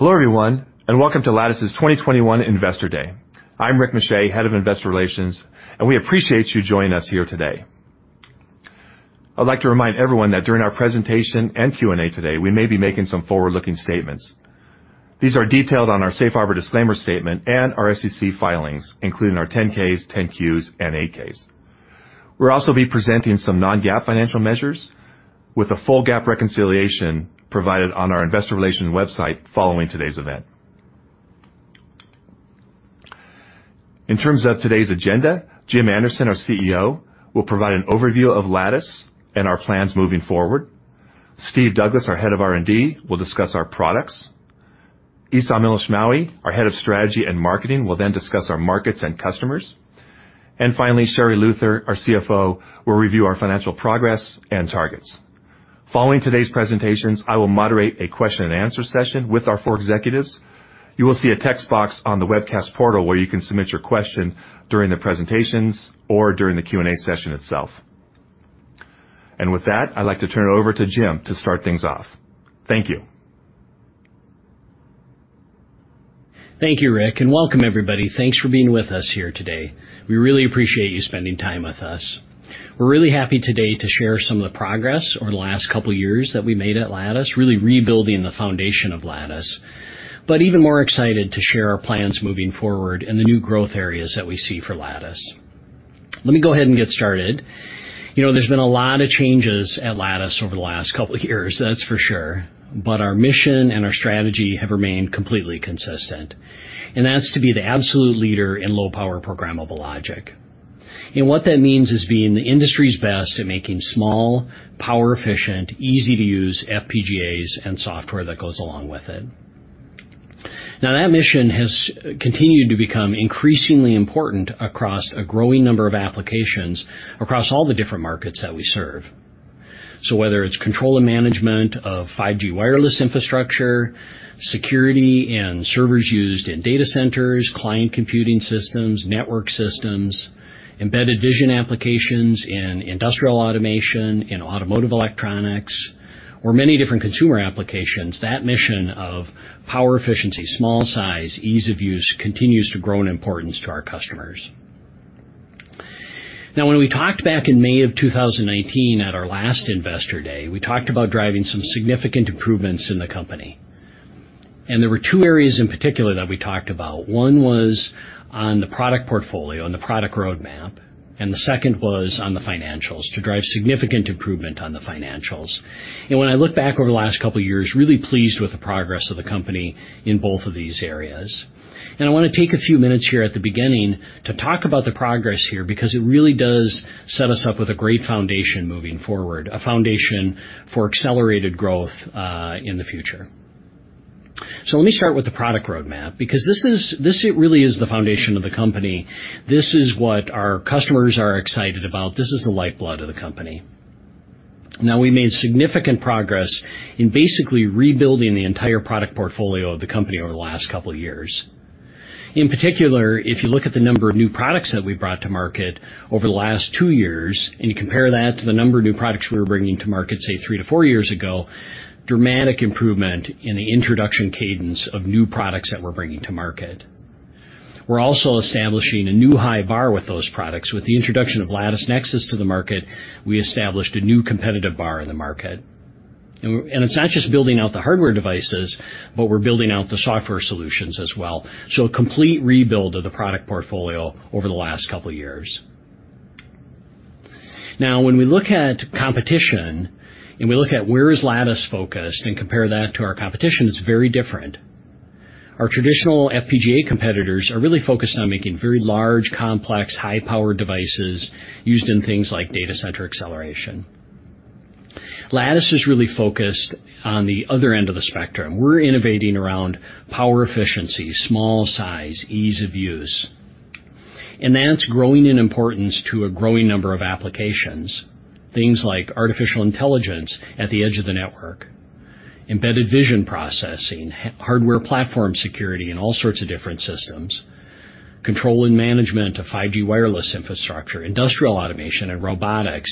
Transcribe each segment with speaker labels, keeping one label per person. Speaker 1: Hello, everyone, and welcome to Lattice's 2021 Investor Day. I'm Rick Muscha, Head of Investor Relations, and we appreciate you joining us here today. I'd like to remind everyone that during our presentation and Q&A today, we may be making some forward-looking statements. These are detailed on our safe harbor disclaimer statement and our SEC filings, including our 10-Ks, 10-Qs, and 8-Ks. We'll also be presenting some non-GAAP financial measures with a full GAAP reconciliation provided on our Investor Relations website following today's event. In terms of today's agenda, Jim Anderson, our CEO, will provide an overview of Lattice and our plans moving forward. Steve Douglass, our Head of R&D, will discuss our products. Esam Elashmawi, our Head of Strategy and Marketing, will discuss our markets and customers. Finally, Sherri Luther, our CFO, will review our financial progress and targets. Following today's presentations, I will moderate a question-and-answer session with our four executives. You will see a text box on the webcast portal where you can submit your question during the presentations or during the Q&A session itself. With that, I'd like to turn it over to Jim to start things off. Thank you.
Speaker 2: Thank you, Rick, and welcome everybody. Thanks for being with us here today. We really appreciate you spending time with us. We're really happy today to share some of the progress over the last couple of years that we made at Lattice, really rebuilding the foundation of Lattice, but even more excited to share our plans moving forward and the new growth areas that we see for Lattice. Let me go ahead and get started. There's been a lot of changes at Lattice over the last couple of years, that's for sure. But our mission and our strategy have remained completely consistent, and that's to be the absolute leader in low power programmable logic. And what that means is being the industry's best at making small, power efficient, easy-to-use FPGAs and software that goes along with it. Now, that mission has continued to become increasingly important across a growing number of applications across all the different markets that we serve. Whether it's control and management of 5G wireless infrastructure, security and servers used in data centers, client computing systems, network systems, embedded vision applications in industrial automation, in automotive electronics, or many different consumer applications, that mission of power efficiency, small size, ease of use continues to grow in importance to our customers. Now, when we talked back in May of 2019 at our last Investor Day, we talked about driving some significant improvements in the company. There were two areas in particular that we talked about. One was on the product portfolio, on the product roadmap, and the second was on the financials, to drive significant improvement on the financials. When I look back over the last couple of years, really pleased with the progress of the company in both of these areas. I want to take a few minutes here at the beginning to talk about the progress here, because it really does set us up with a great foundation moving forward, a foundation for accelerated growth in the future. Let me start with the product roadmap, because this really is the foundation of the company. This is what our customers are excited about. This is the lifeblood of the company. We made significant progress in basically rebuilding the entire product portfolio of the company over the last couple of years. In particular, if you look at the number of new products that we brought to market over the last two years, and you compare that to the number of new products we were bringing to market, say, three to four years ago, dramatic improvement in the introduction cadence of new products that we're bringing to market. We're also establishing a new high bar with those products. With the introduction of Lattice Nexus to the market, we established a new competitive bar in the market. It's not just building out the hardware devices, but we're building out the software solutions as well. A complete rebuild of the product portfolio over the last couple of years. Now, when we look at competition and we look at where is Lattice focused and compare that to our competition, it's very different. Our traditional FPGA competitors are really focused on making very large, complex, high-powered devices used in things like datacenter acceleration. Lattice is really focused on the other end of the spectrum. We're innovating around power efficiency, small size, ease of use, and that's growing in importance to a growing number of applications. Things like artificial intelligence at the edge of the network, embedded vision processing, hardware platform security in all sorts of different systems, control and management of 5G wireless infrastructure, industrial automation, and robotics.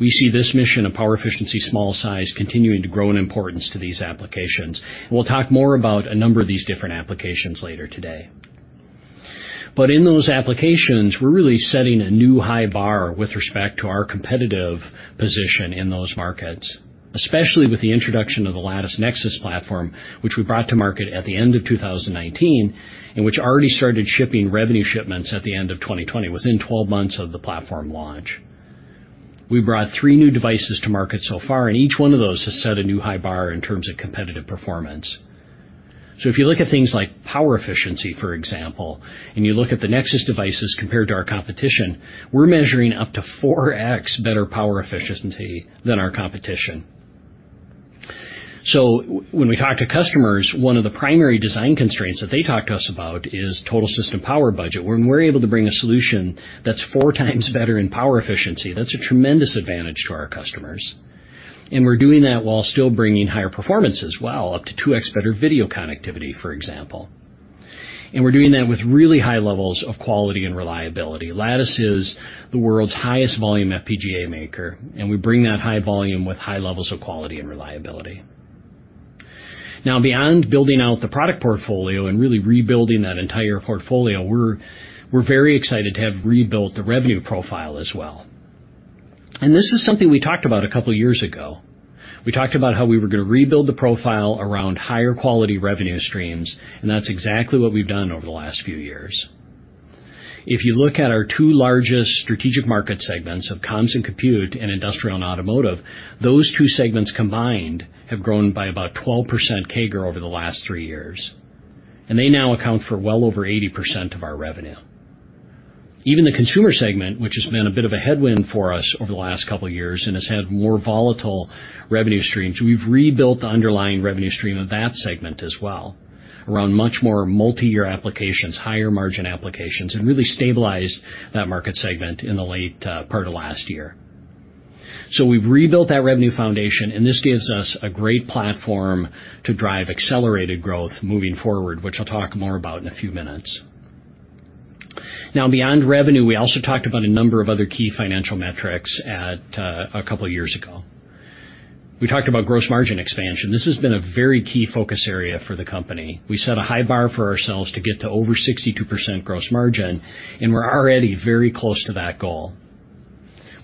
Speaker 2: We see this mission of power efficiency, small size, continuing to grow in importance to these applications. We'll talk more about a number of these different applications later today. In those applications, we're really setting a new high bar with respect to our competitive position in those markets, especially with the introduction of the Lattice Nexus platform, which we brought to market at the end of 2019 and which already started shipping revenue shipments at the end of 2020, within 12 months of the platform launch. We brought three new devices to market so far, each one of those has set a new high bar in terms of competitive performance. If you look at things like power efficiency, for example, and you look at the Nexus devices compared to our competition, we're measuring up to 4x better power efficiency than our competition. When we talk to customers, one of the primary design constraints that they talk to us about is total system power budget. When we're able to bring a solution that's 4x better in power efficiency, that's a tremendous advantage to our customers, and we're doing that while still bringing higher performance as well, up to 2x better video connectivity, for example. We're doing that with really high levels of quality and reliability. Lattice is the world's highest volume FPGA maker, and we bring that high volume with high levels of quality and reliability. Now, beyond building out the product portfolio and really rebuilding that entire portfolio, we're very excited to have rebuilt the revenue profile as well. This is something we talked about a couple of years ago. We talked about how we were going to rebuild the profile around higher quality revenue streams, and that's exactly what we've done over the last few years. If you look at our two largest strategic market segments of Communications and Computing and Industrial and Automotive, those two segments combined have grown by about 12% CAGR over the last three years, and they now account for well over 80% of our revenue. Even the consumer segment, which has been a bit of a headwind for us over the last couple of years and has had more volatile revenue streams, we've rebuilt the underlying revenue stream of that segment as well around much more multi-year applications, higher margin applications, and really stabilized that market segment in the late part of last year. We've rebuilt that revenue foundation, and this gives us a great platform to drive accelerated growth moving forward, which I'll talk more about in a few minutes. Now, beyond revenue, we also talked about a number of other key financial metrics a couple of years ago. We talked about gross margin expansion. This has been a very key focus area for the company. We set a high bar for ourselves to get to over 62% gross margin, and we're already very close to that goal.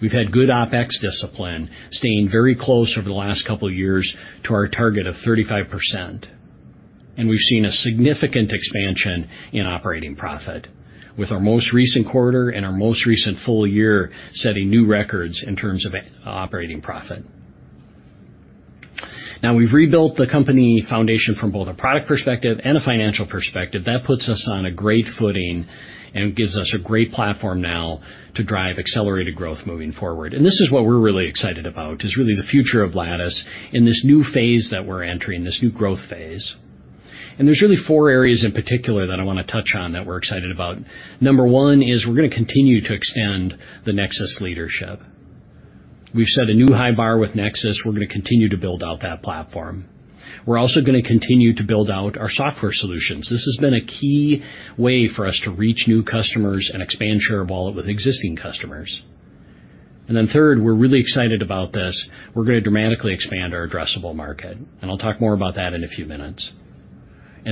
Speaker 2: We've had good OpEx discipline, staying very close over the last couple of years to our target of 35%, and we've seen a significant expansion in operating profit with our most recent quarter and our most recent full year setting new records in terms of operating profit. We've rebuilt the company foundation from both a product perspective and a financial perspective. That puts us on a great footing and gives us a great platform now to drive accelerated growth moving forward. This is what we're really excited about, is really the future of Lattice in this new phase that we're entering, this new growth phase. There's really four areas in particular that I want to touch on that we're excited about. Number one is we're going to continue to extend the Nexus leadership. We've set a new high bar with Nexus. We're going to continue to build out that platform. We're also going to continue to build out our software solutions. This has been a key way for us to reach new customers and expand share of wallet with existing customers. Third, we're really excited about this, we're going to dramatically expand our addressable market, and I'll talk more about that in a few minutes.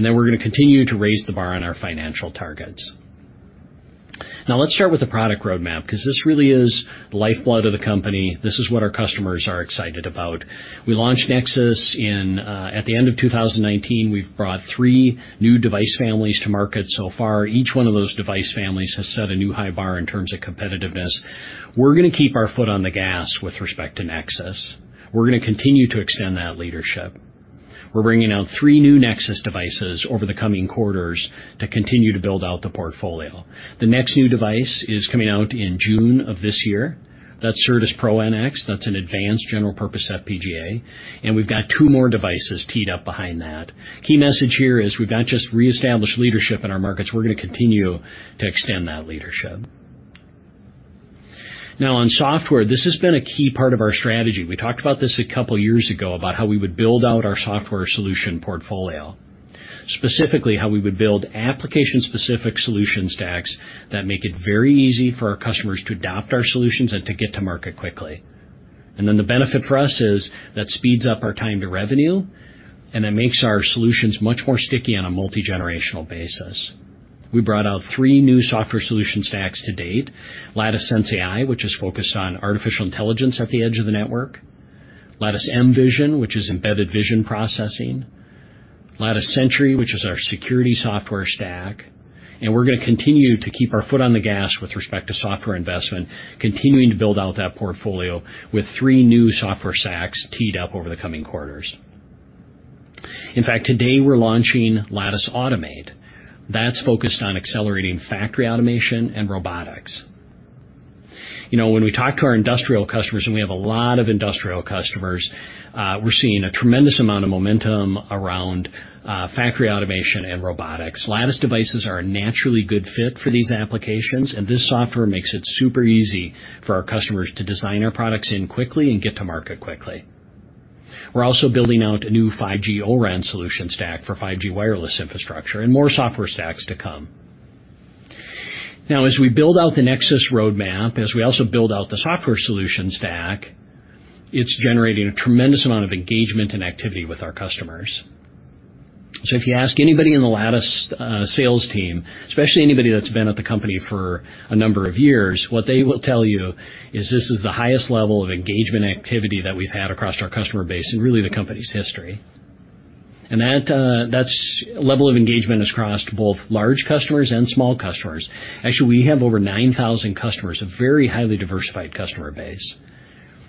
Speaker 2: Then we're going to continue to raise the bar on our financial targets. Let's start with the product roadmap, because this really is the lifeblood of the company. This is what our customers are excited about. We launched Nexus at the end of 2019. We've brought three new device families to market so far. Each one of those device families has set a new high bar in terms of competitiveness. We're going to keep our foot on the gas with respect to Nexus. We're going to continue to extend that leadership. We're bringing out three new Nexus devices over the coming quarters to continue to build out the portfolio. The next new device is coming out in June of this year. That's CertusPro-NX. That's an advanced general-purpose FPGA. We've got two more devices teed up behind that. Key message here is we've not just reestablished leadership in our markets, we're going to continue to extend that leadership. On software, this has been a key part of our strategy. We talked about this a couple of years ago, about how we would build out our software solution portfolio, specifically how we would build application-specific solution stacks that make it very easy for our customers to adopt our solutions and to get to market quickly. The benefit for us is that speeds up our time to revenue and it makes our solutions much more sticky on a multigenerational basis. We brought out three new software solution stacks to date, Lattice sensAI, which is focused on artificial intelligence at the edge of the network, Lattice mVision, which is embedded vision processing, Lattice Sentry, which is our security software stack, and we're going to continue to keep our foot on the gas with respect to software investment, continuing to build out that portfolio with three new software stacks teed up over the coming quarters. In fact, today we're launching Lattice Automate. That's focused on accelerating factory automation and robotics. When we talk to our industrial customers, and we have a lot of industrial customers, we're seeing a tremendous amount of momentum around factory automation and robotics. Lattice devices are a naturally good fit for these applications, and this software makes it super easy for our customers to design our products in quickly and get to market quickly. We're also building out a new 5G O-RAN solution stack for 5G wireless infrastructure and more software stacks to come. Now, as we build out the Nexus roadmap, as we also build out the software solution stack, it's generating a tremendous amount of engagement and activity with our customers. If you ask anybody in the Lattice sales team, especially anybody that's been at the company for a number of years, what they will tell you is this is the highest level of engagement activity that we've had across our customer base in really the company's history. That level of engagement is across both large customers and small customers. Actually, we have over 9,000 customers, a very highly diversified customer base.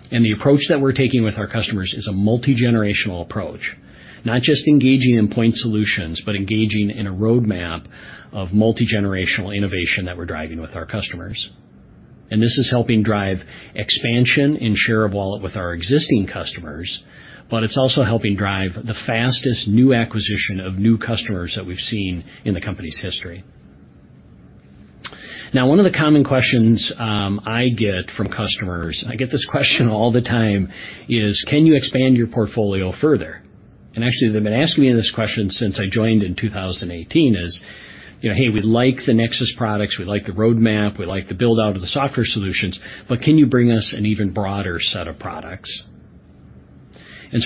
Speaker 2: The approach that we're taking with our customers is a multigenerational approach, not just engaging in point solutions, but engaging in a roadmap of multigenerational innovation that we're driving with our customers. This is helping drive expansion and share of wallet with our existing customers, but it's also helping drive the fastest new acquisition of new customers that we've seen in the company's history. Now, one of the common questions I get from customers, I get this question all the time. Can you expand your portfolio further? Actually, they've been asking me this question since I joined in 2018 is, "Hey, we like the Nexus products, we like the roadmap, we like the build-out of the software solutions, but can you bring us an even broader set of products?"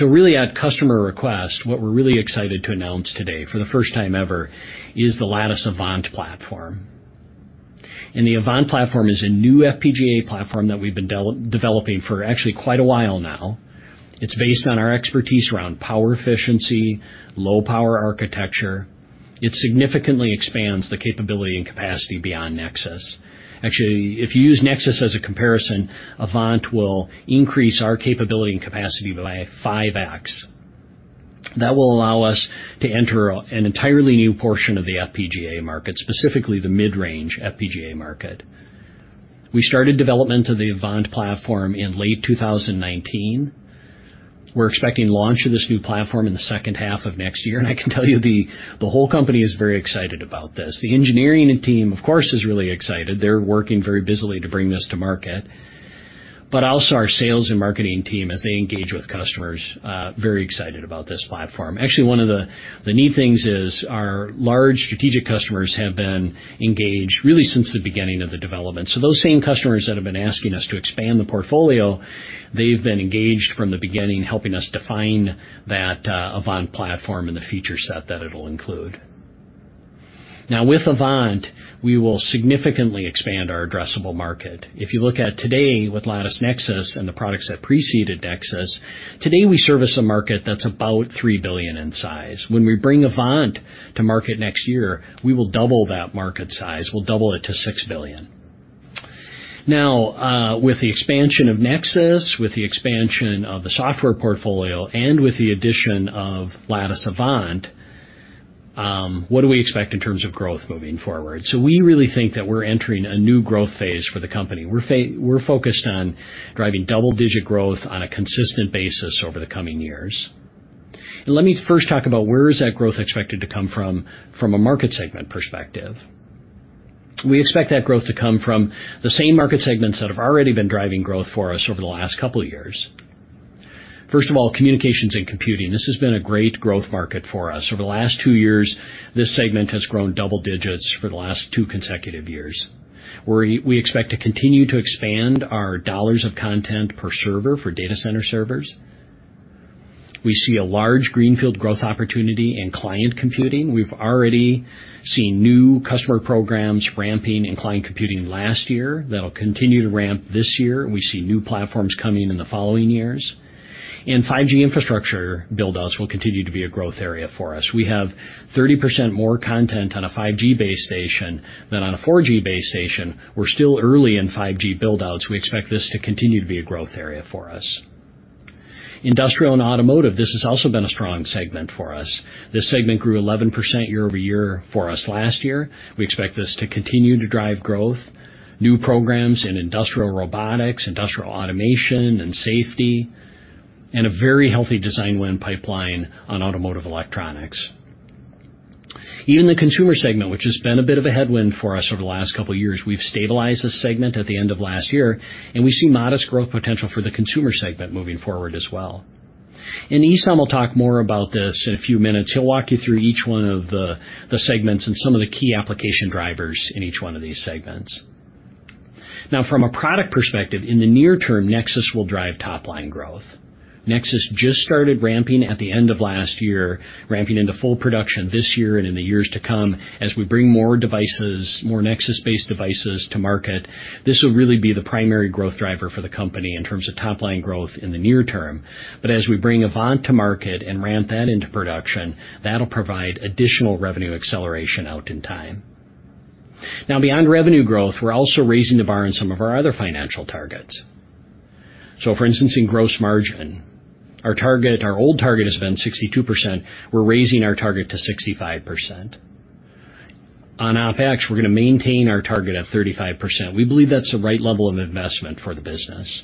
Speaker 2: Really at customer request, what we're really excited to announce today, for the first time ever, is the Lattice Avant platform. The Avant platform is a new FPGA platform that we've been developing for actually quite a while now. It's based on our expertise around power efficiency, low power architecture. It significantly expands the capability and capacity beyond Lattice Nexus. Actually, if you use Lattice Nexus as a comparison, Lattice Avant will increase our capability and capacity by 5x. That will allow us to enter an entirely new portion of the FPGA market, specifically the mid-range FPGA market. We started development of the Lattice Avant platform in late 2019. We're expecting launch of this new platform in the second half of next year, and I can tell you the whole company is very excited about this. The engineering team, of course, is really excited. They're working very busily to bring this to market. Also our sales and marketing team, as they engage with customers, very excited about this platform. Actually, one of the neat things is our large strategic customers have been engaged really since the beginning of the development. Those same customers that have been asking us to expand the portfolio, they've been engaged from the beginning, helping us define that Avant platform and the feature set that it'll include. With Avant, we will significantly expand our addressable market. If you look at today with Lattice Nexus and the products that preceded Nexus, today we service a market that's about $3 billion in size. When we bring Avant to market next year, we will double that market size. We'll double it to $6 billion. With the expansion of Nexus, with the expansion of the software portfolio, and with the addition of Lattice Avant, what do we expect in terms of growth moving forward? We really think that we're entering a new growth phase for the company. We're focused on driving double-digit growth on a consistent basis over the coming years. Let me first talk about where is that growth expected to come from a market segment perspective. We expect that growth to come from the same market segments that have already been driving growth for us over the last couple of years. First of all, communications and computing. This has been a great growth market for us. Over the last two years, this segment has grown double digits for the last two consecutive years, where we expect to continue to expand our dollars of content per server for data center servers. We see a large greenfield growth opportunity in client computing. We've already seen new customer programs ramping in client computing last year that'll continue to ramp this year, and we see new platforms coming in the following years. 5G infrastructure build-outs will continue to be a growth area for us. We have 30% more content on a 5G base station than on a 4G base station. We're still early in 5G build-outs. We expect this to continue to be a growth area for us. Industrial and automotive, this has also been a strong segment for us. This segment grew 11% year-over-year for us last year. We expect this to continue to drive growth, new programs in industrial robotics, industrial automation, and safety, and a very healthy design win pipeline on automotive electronics. Even the consumer segment, which has been a bit of a headwind for us over the last couple of years, we've stabilized this segment at the end of last year, and we see modest growth potential for the consumer segment moving forward as well. Esam will talk more about this in a few minutes. He'll walk you through each one of the segments and some of the key application drivers in each one of these segments. From a product perspective, in the near term, Nexus will drive top-line growth. Nexus just started ramping at the end of last year, ramping into full production this year and in the years to come. As we bring more devices, more Nexus-based devices to market, this will really be the primary growth driver for the company in terms of top-line growth in the near term. As we bring Avant to market and ramp that into production, that'll provide additional revenue acceleration out in time. Beyond revenue growth, we're also raising the bar in some of our other financial targets. For instance, in gross margin, our old target has been 62%. We're raising our target to 65%. On OpEx, we're going to maintain our target at 35%. We believe that's the right level of investment for the business.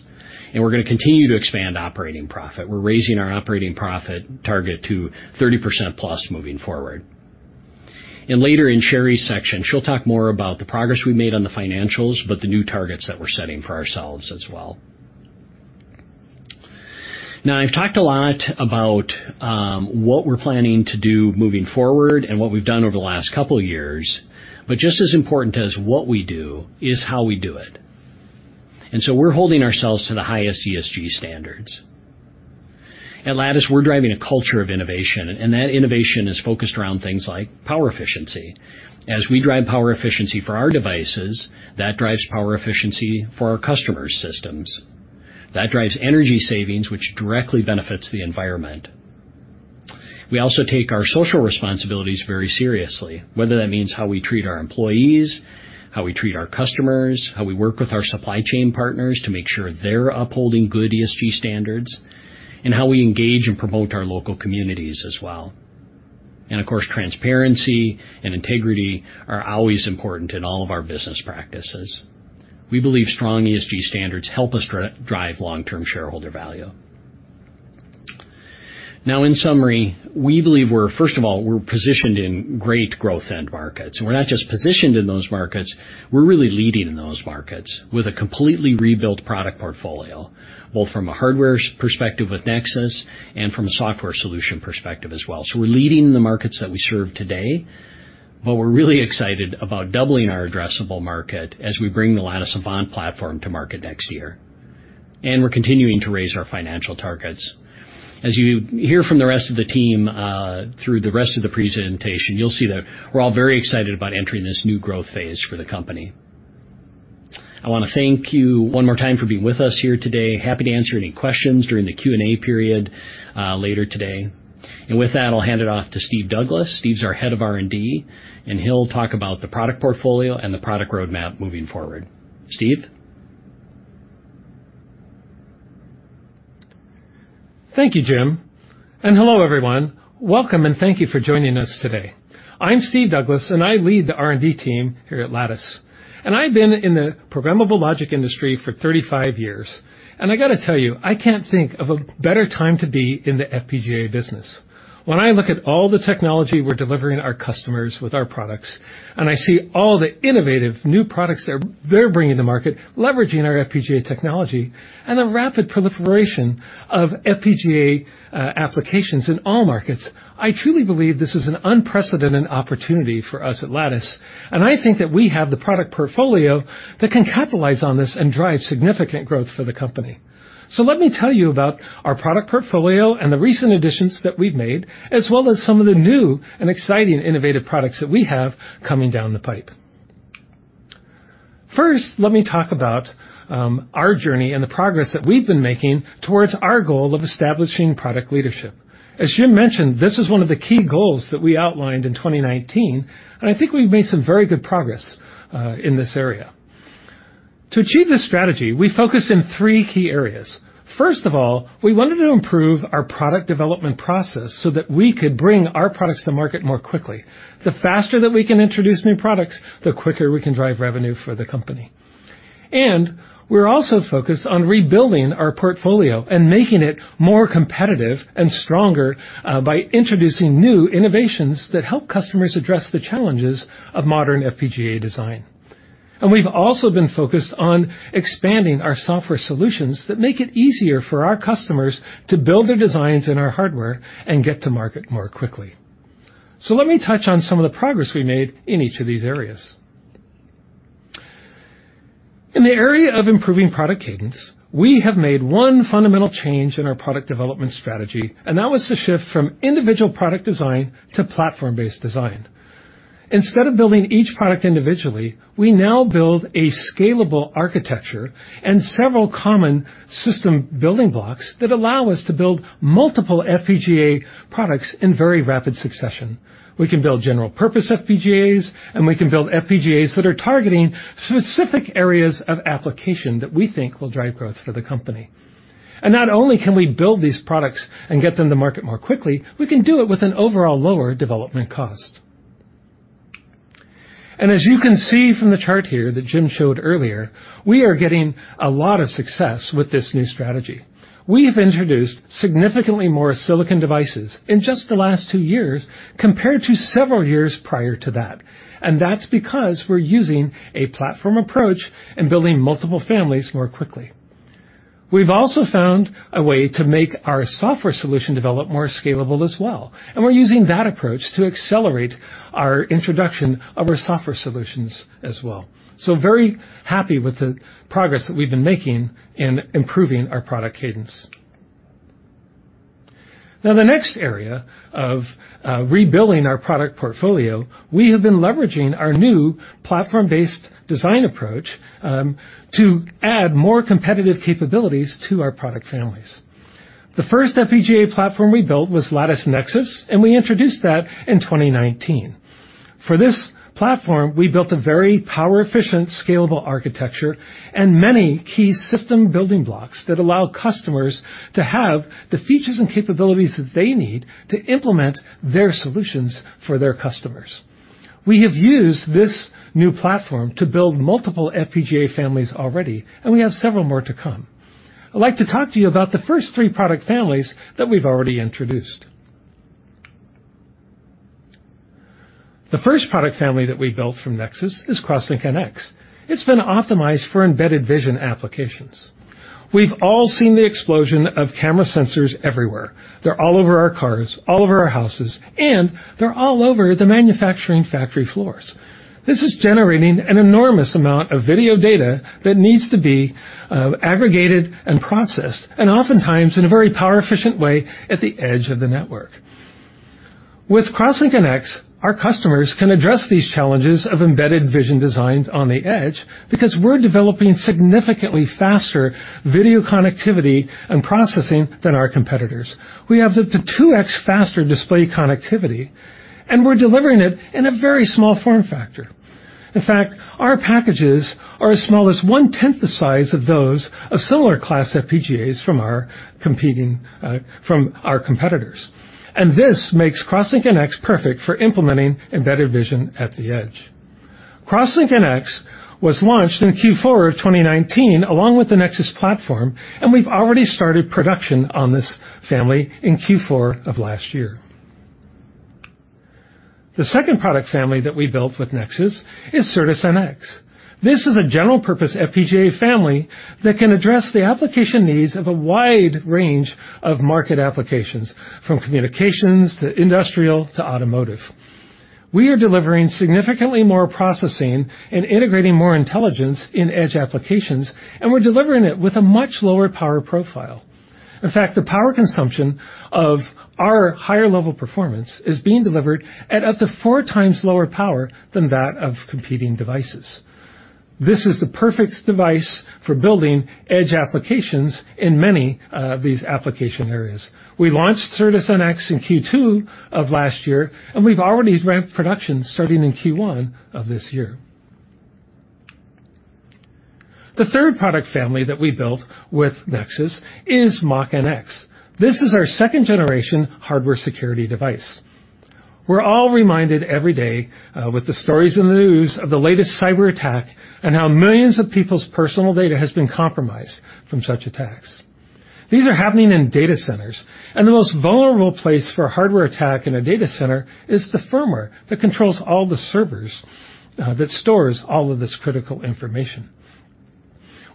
Speaker 2: We're going to continue to expand operating profit. We're raising our operating profit target to 30%+ moving forward. Later in Sherri's section, she'll talk more about the progress we made on the financials, but the new targets that we're setting for ourselves as well. Now, I've talked a lot about what we're planning to do moving forward and what we've done over the last couple of years, but just as important as what we do is how we do it. We're holding ourselves to the highest ESG standards. At Lattice, we're driving a culture of innovation, and that innovation is focused around things like power efficiency. As we drive power efficiency for our devices, that drives power efficiency for our customers' systems. That drives energy savings, which directly benefits the environment. We also take our social responsibilities very seriously, whether that means how we treat our employees, how we treat our customers, how we work with our supply chain partners to make sure they're upholding good ESG standards, and how we engage and promote our local communities as well. Of course, transparency and integrity are always important in all of our business practices. We believe strong ESG standards help us drive long-term shareholder value. In summary, we believe we're positioned in great growth end markets. We're not just positioned in those markets, we're really leading in those markets with a completely rebuilt product portfolio, both from a hardware perspective with Nexus and from a software solution perspective as well. We're leading in the markets that we serve today, but we're really excited about doubling our addressable market as we bring the Lattice Avant platform to market next year. We're continuing to raise our financial targets. As you hear from the rest of the team through the rest of the presentation, you'll see that we're all very excited about entering this new growth phase for the company. I want to thank you one more time for being with us here today. Happy to answer any questions during the Q&A period later today. With that, I'll hand it off to Steve Douglass. Steve's our Head of R&D, and he'll talk about the product portfolio and the product roadmap moving forward. Steve?
Speaker 3: Thank you, Jim, and hello, everyone. Welcome, and thank you for joining us today. I'm Steve Douglass, and I lead the R&D team here at Lattice. I've been in the programmable logic industry for 35 years. I got to tell you, I can't think of a better time to be in the FPGA business. When I look at all the technology we're delivering our customers with our products, and I see all the innovative new products they're bringing to market, leveraging our FPGA technology, and the rapid proliferation of FPGA applications in all markets, I truly believe this is an unprecedented opportunity for us at Lattice, and I think that we have the product portfolio that can capitalize on this and drive significant growth for the company. Let me tell you about our product portfolio and the recent additions that we've made, as well as some of the new and exciting innovative products that we have coming down the pipe. First, let me talk about our journey and the progress that we've been making towards our goal of establishing product leadership. As Jim mentioned, this is one of the key goals that we outlined in 2019, and I think we've made some very good progress in this area. To achieve this strategy, we focus in three key areas. First of all, we wanted to improve our product development process so that we could bring our products to market more quickly. The faster that we can introduce new products, the quicker we can drive revenue for the company. We're also focused on rebuilding our portfolio and making it more competitive and stronger by introducing new innovations that help customers address the challenges of modern FPGA design. We've also been focused on expanding our software solutions that make it easier for our customers to build their designs in our hardware and get to market more quickly. Let me touch on some of the progress we made in each of these areas. In the area of improving product cadence, we have made one fundamental change in our product development strategy, and that was to shift from individual product design to platform-based design. Instead of building each product individually, we now build a scalable architecture and several common system building blocks that allow us to build multiple FPGA products in very rapid succession. We can build general purpose FPGAs, and we can build FPGAs that are targeting specific areas of application that we think will drive growth for the company. Not only can we build these products and get them to market more quickly, we can do it with an overall lower development cost. As you can see from the chart here that Jim showed earlier, we are getting a lot of success with this new strategy. We have introduced significantly more silicon devices in just the last two years compared to several years prior to that. That's because we're using a platform approach and building multiple families more quickly. We've also found a way to make our software solution develop more scalable as well, and we're using that approach to accelerate our introduction of our software solutions as well. Very happy with the progress that we've been making in improving our product cadence. Now, the next area of rebuilding our product portfolio, we have been leveraging our new platform-based design approach to add more competitive capabilities to our product families. The first FPGA platform we built was Lattice Nexus, and we introduced that in 2019. For this platform, we built a very power efficient, scalable architecture and many key system building blocks that allow customers to have the features and capabilities that they need to implement their solutions for their customers. We have used this new platform to build multiple FPGA families already, and we have several more to come. I'd like to talk to you about the first three product families that we've already introduced. The first product family that we built from Nexus is CrossLink-NX. It's been optimized for embedded vision applications. We've all seen the explosion of camera sensors everywhere. They're all over our cars, all over our houses, and they're all over the manufacturing factory floors. This is generating an enormous amount of video data that needs to be aggregated and processed, and oftentimes in a very power efficient way at the edge of the network. With CrossLink-NX, our customers can address these challenges of embedded vision designs on the edge because we're developing significantly faster video connectivity and processing than our competitors. We have up to 2x faster display connectivity, and we're delivering it in a very small form factor. In fact, our packages are as small as 1/10 the size of those of similar class FPGAs from our competitors. This makes CrossLink-NX perfect for implementing embedded vision at the edge. CrossLink-NX was launched in Q4 of 2019 along with the Nexus platform, and we've already started production on this family in Q4 of last year. The second product family that we built with Nexus is Certus-NX. This is a general-purpose FPGA family that can address the application needs of a wide range of market applications, from communications to industrial to automotive. We are delivering significantly more processing and integrating more intelligence in edge applications, and we're delivering it with a much lower power profile. In fact, the power consumption of our higher-level performance is being delivered at up to 4x lower power than that of competing devices. This is the perfect device for building edge applications in many of these application areas. We launched Certus-NX in Q2 of last year, and we've already ramped production starting in Q1 of this year. The third product family that we built with Nexus is Mach-NX. This is our second-generation hardware security device. We're all reminded every day with the stories in the news of the latest cyber attack and how millions of people's personal data has been compromised from such attacks. These are happening in data centers, and the most vulnerable place for a hardware attack in a data center is the firmware that controls all the servers that stores all of this critical information.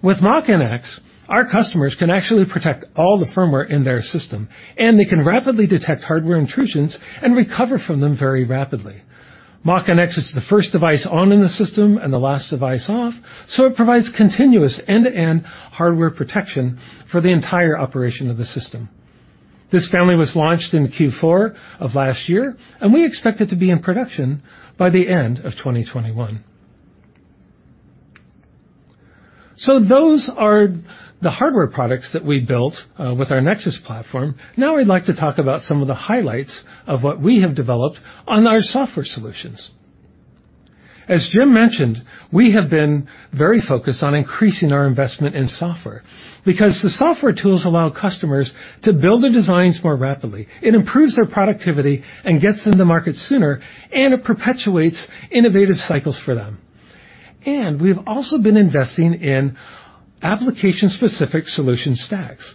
Speaker 3: With Mach-NX, our customers can actually protect all the firmware in their system, and they can rapidly detect hardware intrusions and recover from them very rapidly. Mach-NX is the first device on in the system and the last device off, so it provides continuous end-to-end hardware protection for the entire operation of the system. This family was launched in Q4 of last year, and we expect it to be in production by the end of 2021. Those are the hardware products that we built with our Nexus platform. Now I'd like to talk about some of the highlights of what we have developed on our software solutions. As Jim mentioned, we have been very focused on increasing our investment in software because the software tools allow customers to build the designs more rapidly. It improves their productivity and gets to the market sooner, and it perpetuates innovative cycles for them. We've also been investing in application-specific solution stacks.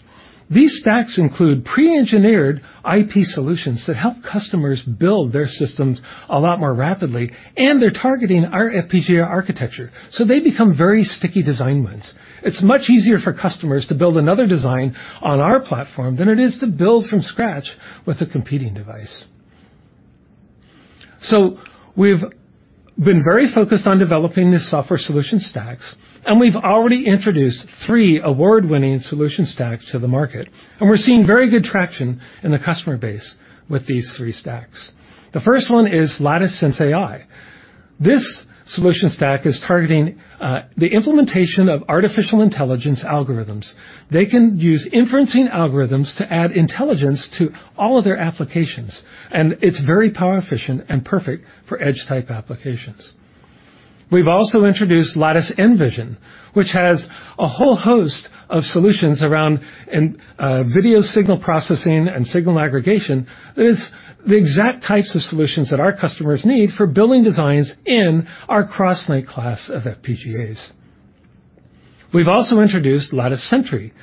Speaker 3: These stacks include pre-engineered IP solutions that help customers build their systems a lot more rapidly, and they're targeting our FPGA architecture, so they become very sticky design wins. It's much easier for customers to build another design on our platform than it is to build from scratch with a competing device. We've been very focused on developing these software solution stacks, and we've already introduced three award-winning solution stacks to the market, and we're seeing very good traction in the customer base with these three stacks. The first one is Lattice sensAI. This solution stack is targeting the implementation of artificial intelligence algorithms. They can use inferencing algorithms to add intelligence to all of their applications, and it's very power efficient and perfect for edge-type applications. We've also introduced Lattice mVision, which has a whole host of solutions around video signal processing and signal aggregation that is the exact types of solutions that our customers need for building designs in our CrossLink-NX class of FPGAs. We've also introduced Lattice Sentry,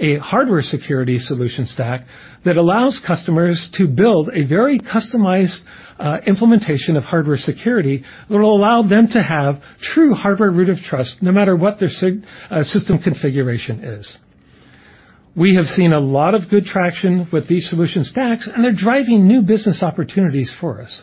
Speaker 3: a hardware security solution stack that allows customers to build a very customized implementation of hardware security that will allow them to have true hardware Root-of-Trust no matter what their system configuration is. We have seen a lot of good traction with these solution stacks, and they're driving new business opportunities for us.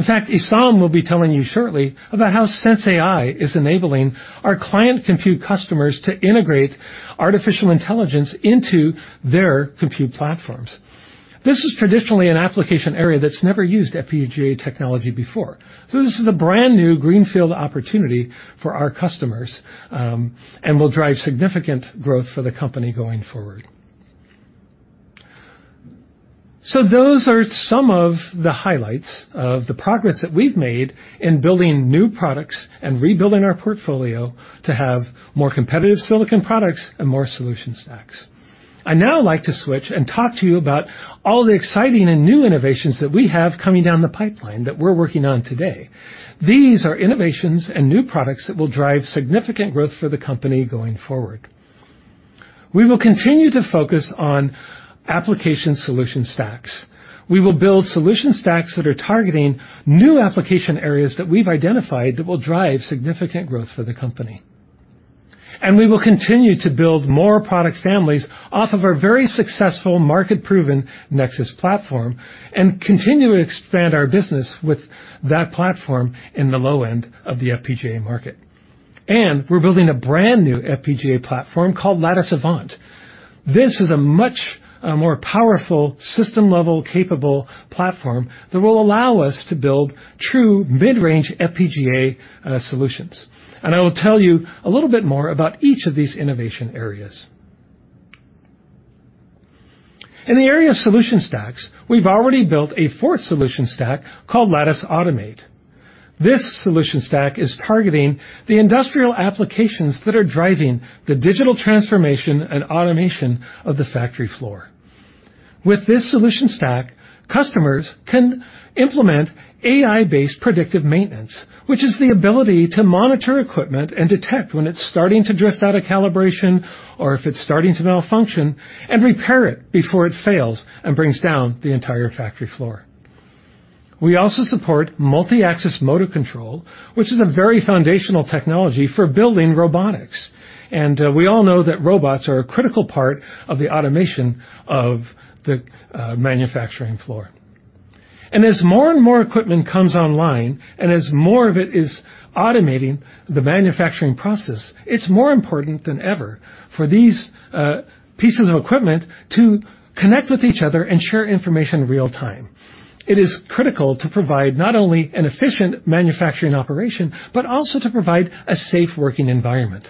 Speaker 3: In fact, Esam will be telling you shortly about how Lattice sensAI is enabling our client compute customers to integrate artificial intelligence into their compute platforms. This is traditionally an application area that's never used FPGA technology before. This is a brand-new greenfield opportunity for our customers and will drive significant growth for the company going forward. Those are some of the highlights of the progress that we've made in building new products and rebuilding our portfolio to have more competitive silicon products and more solution stacks. I'd now like to switch and talk to you about all the exciting and new innovations that we have coming down the pipeline that we're working on today. These are innovations and new products that will drive significant growth for the company going forward. We will continue to focus on application solution stacks. We will build solution stacks that are targeting new application areas that we've identified that will drive significant growth for the company. We will continue to build more product families off of our very successful market-proven Lattice Nexus platform and continue to expand our business with that platform in the low end of the FPGA market. We're building a brand-new FPGA platform called Lattice Avant. This is a much more powerful system-level capable platform that will allow us to build true mid-range FPGA solutions. I will tell you a little bit more about each of these innovation areas. In the area of solution stacks, we've already built a fourth solution stack called Lattice Automate. This solution stack is targeting the industrial applications that are driving the digital transformation and automation of the factory floor. With this solution stack, customers can implement AI-based predictive maintenance, which is the ability to monitor equipment and detect when it's starting to drift out of calibration or if it's starting to malfunction, and repair it before it fails and brings down the entire factory floor. We also support multi-axis motor control, which is a very foundational technology for building robotics. We all know that robots are a critical part of the automation of the manufacturing floor. As more and more equipment comes online, and as more of it is automating the manufacturing process, it's more important than ever for these pieces of equipment to connect with each other and share information real-time. It is critical to provide not only an efficient manufacturing operation, but also to provide a safe working environment.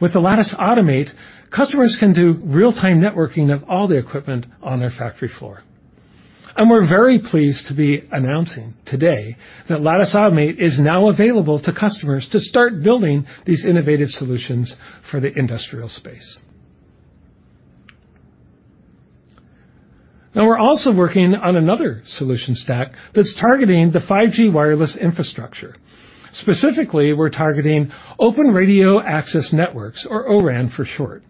Speaker 3: With the Lattice Automate, customers can do real-time networking of all the equipment on their factory floor. We're very pleased to be announcing today that Lattice Automate is now available to customers to start building these innovative solutions for the industrial space. We're also working on another solution stack that's targeting the 5G wireless infrastructure. Specifically, we're targeting Open Radio Access Networks, or O-RAN for short.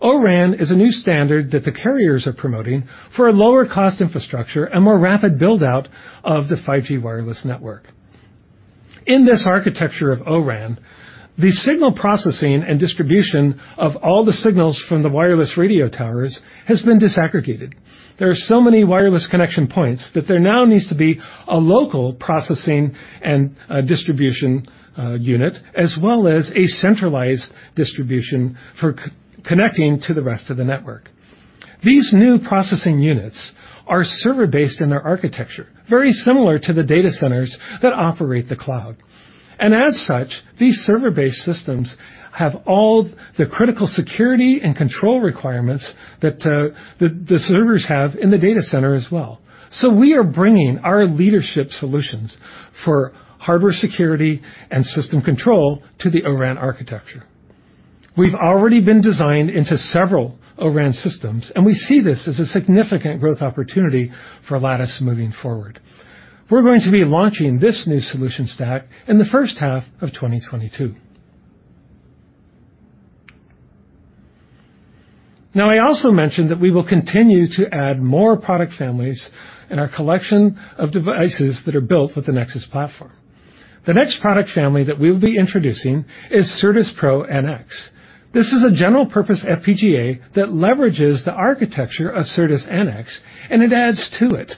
Speaker 3: O-RAN is a new standard that the carriers are promoting for a lower cost infrastructure and more rapid build-out of the 5G wireless network. In this architecture of O-RAN, the signal processing and distribution of all the signals from the wireless radio towers has been disaggregated. There are so many wireless connection points that there now needs to be a local processing and distribution unit, as well as a centralized distribution for connecting to the rest of the network. These new processing units are server-based in their architecture, very similar to the data centers that operate the cloud. As such, these server-based systems have all the critical security and control requirements that the servers have in the data center as well. We are bringing our leadership solutions for hardware security and system control to the O-RAN architecture. We've already been designed into several O-RAN systems, and we see this as a significant growth opportunity for Lattice moving forward. We're going to be launching this new solution stack in the first half of 2022. I also mentioned that we will continue to add more product families in our collection of devices that are built with the Nexus platform. The next product family that we will be introducing is CertusPro-NX. This is a general-purpose FPGA that leverages the architecture of Certus-NX and it adds to it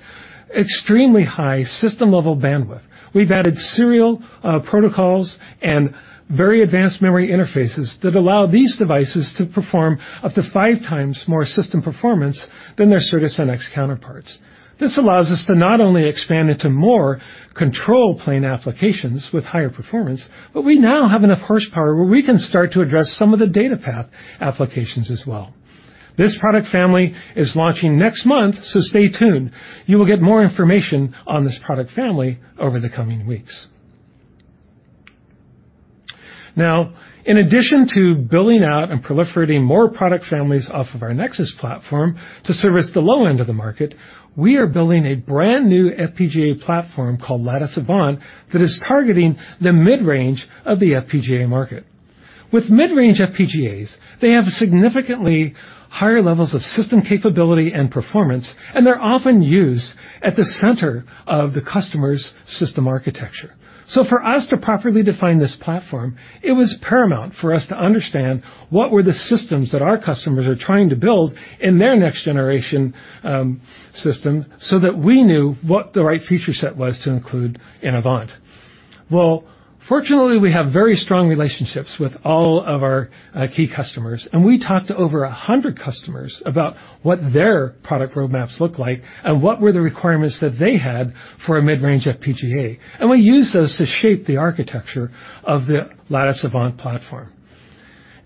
Speaker 3: extremely high system-level bandwidth. We've added serial protocols and very advanced memory interfaces that allow these devices to perform up to 5x more system performance than their Certus-NX counterparts. This allows us to not only expand into more control plane applications with higher performance, but we now have enough horsepower where we can start to address some of the data path applications as well. This product family is launching next month, stay tuned. You will get more information on this product family over the coming weeks. Now, in addition to building out and proliferating more product families off of our Lattice Nexus platform to service the low end of the market, we are building a brand-new FPGA platform called Lattice Avant that is targeting the mid-range of the FPGA market. With mid-range FPGAs, they have significantly higher levels of system capability and performance, and they're often used at the center of the customer's system architecture. For us to properly define this platform, it was paramount for us to understand what were the systems that our customers are trying to build in their next-generation systems so that we knew what the right feature set was to include in Avant. Well, fortunately, we have very strong relationships with all of our key customers. We talked to over 100 customers about what their product roadmaps look like and what were the requirements that they had for a mid-range FPGA. We used those to shape the architecture of the Lattice Avant platform.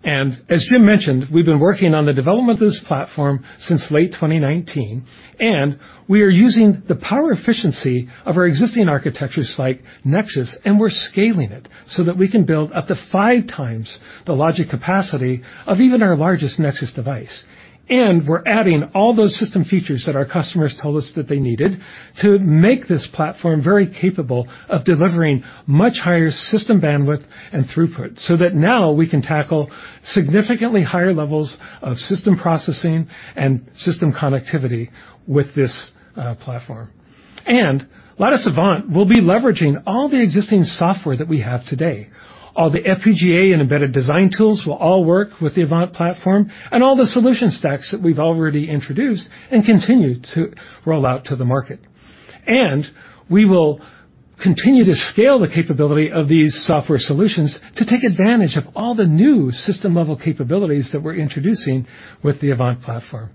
Speaker 3: As Jim mentioned, we've been working on the development of this platform since late 2019, and we are using the power efficiency of our existing architectures like Nexus, and we're scaling it so that we can build up to 5x the logic capacity of even our largest Nexus device. We're adding all those system features that our customers told us that they needed to make this platform very capable of delivering much higher system bandwidth and throughput, so that now we can tackle significantly higher levels of system processing and system connectivity with this platform. Lattice Avant will be leveraging all the existing software that we have today. All the FPGA and embedded design tools will all work with the Avant platform and all the solution stacks that we've already introduced and continue to roll out to the market. We will continue to scale the capability of these software solutions to take advantage of all the new system-level capabilities that we're introducing with the Avant platform.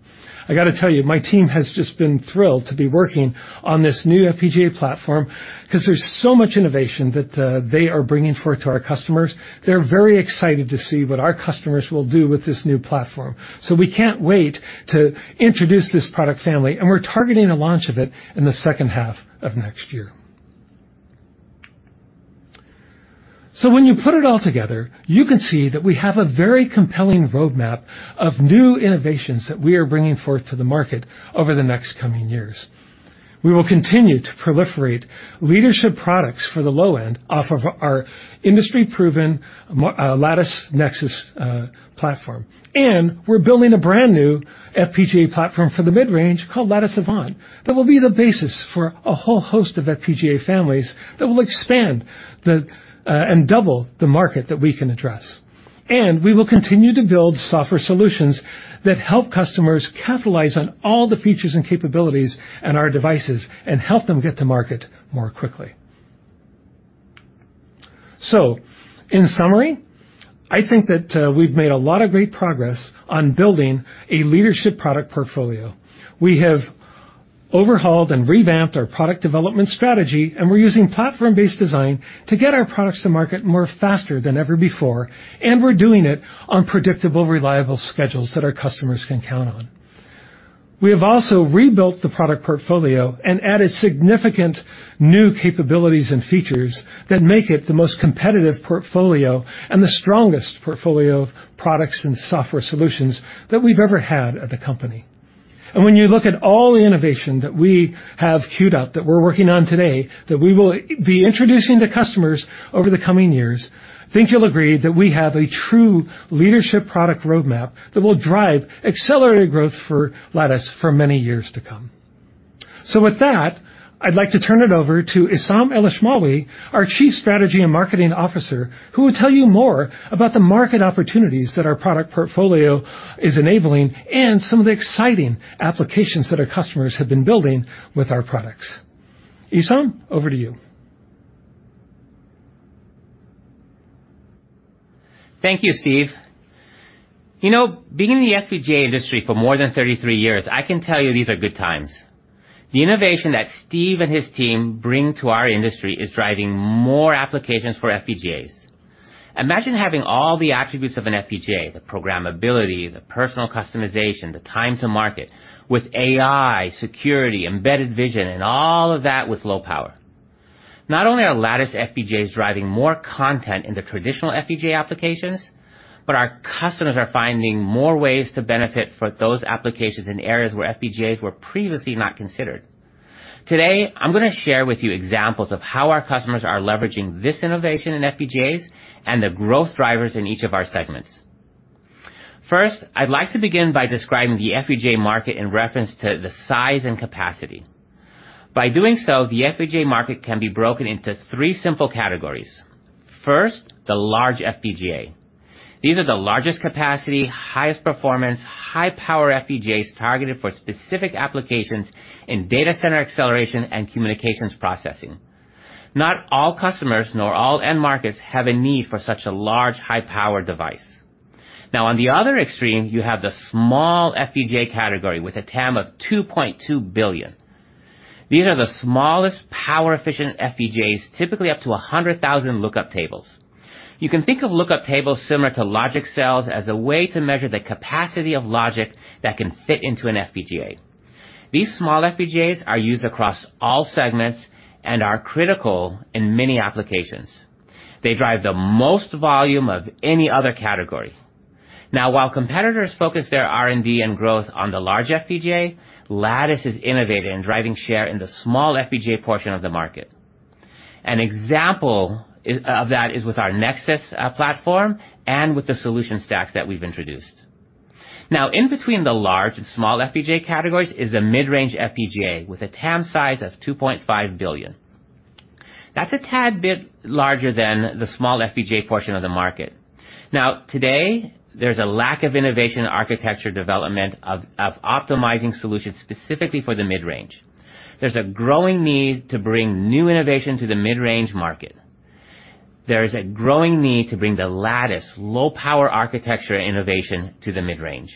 Speaker 3: I got to tell you, my team has just been thrilled to be working on this new FPGA platform because there's so much innovation that they are bringing forth to our customers. They're very excited to see what our customers will do with this new platform. We can't wait to introduce this product family, and we're targeting a launch of it in the second half of next year. When you put it all together, you can see that we have a very compelling roadmap of new innovations that we are bringing forth to the market over the next coming years. We will continue to proliferate leadership products for the low end off of our industry-proven Lattice Nexus platform. We're building a brand-new FPGA platform for the mid-range called Lattice Avant that will be the basis for a whole host of FPGA families that will expand and double the market that we can address. We will continue to build software solutions that help customers capitalize on all the features and capabilities in our devices and help them get to market more quickly. In summary, I think that we've made a lot of great progress on building a leadership product portfolio. We have overhauled and revamped our product development strategy, and we're using platform-based design to get our products to market more faster than ever before, and we're doing it on predictable, reliable schedules that our customers can count on. We have also rebuilt the product portfolio and added significant new capabilities and features that make it the most competitive portfolio and the strongest portfolio of products and software solutions that we've ever had at the company. When you look at all the innovation that we have queued up that we're working on today, that we will be introducing to customers over the coming years, I think you'll agree that we have a true leadership product roadmap that will drive accelerated growth for Lattice for many years to come. With that, I'd like to turn it over to Esam Elashmawi, our Chief Strategy and Marketing Officer, who will tell you more about the market opportunities that our product portfolio is enabling and some of the exciting applications that our customers have been building with our products. Esam, over to you.
Speaker 4: Thank you, Steve. Being in the FPGA industry for more than 33 years, I can tell you these are good times. The innovation that Steve and his team bring to our industry is driving more applications for FPGAs. Imagine having all the attributes of an FPGA, the programmability, the personal customization, the time to market, with AI, security, embedded vision, and all of that with low power. Not only are Lattice FPGAs driving more content in the traditional FPGA applications, but our customers are finding more ways to benefit for those applications in areas where FPGAs were previously not considered. Today, I'm going to share with you examples of how our customers are leveraging this innovation in FPGAs and the growth drivers in each of our segments. First, I'd like to begin by describing the FPGA market in reference to the size and capacity. By doing so, the FPGA market can be broken into three simple categories. First, the large FPGA. These are the largest capacity, highest performance, high-power FPGAs targeted for specific applications in Datacenter Acceleration and Communications processing. Not all customers nor all end markets have a need for such a large, high-power device. On the other extreme, you have the small FPGA category with a TAM of $2.2 billion. These are the smallest power-efficient FPGAs, typically up to 100,000 lookup tables. You can think of lookup tables similar to logic cells as a way to measure the capacity of logic that can fit into an FPGA. These small FPGAs are used across all segments and are critical in many applications. They drive the most volume of any other category. While competitors focus their R&D and growth on the large FPGA, Lattice is innovating and driving share in the small FPGA portion of the market. An example of that is with our Lattice Nexus platform and with the solution stacks that we've introduced. In between the large and small FPGA categories is the mid-range FPGA with a TAM size of $2.5 billion. That's a tad bit larger than the small FPGA portion of the market. Today, there's a lack of innovation in architecture development of optimizing solutions specifically for the mid-range. There's a growing need to bring new innovation to the mid-range market. There is a growing need to bring the Lattice low-power architecture innovation to the mid-range.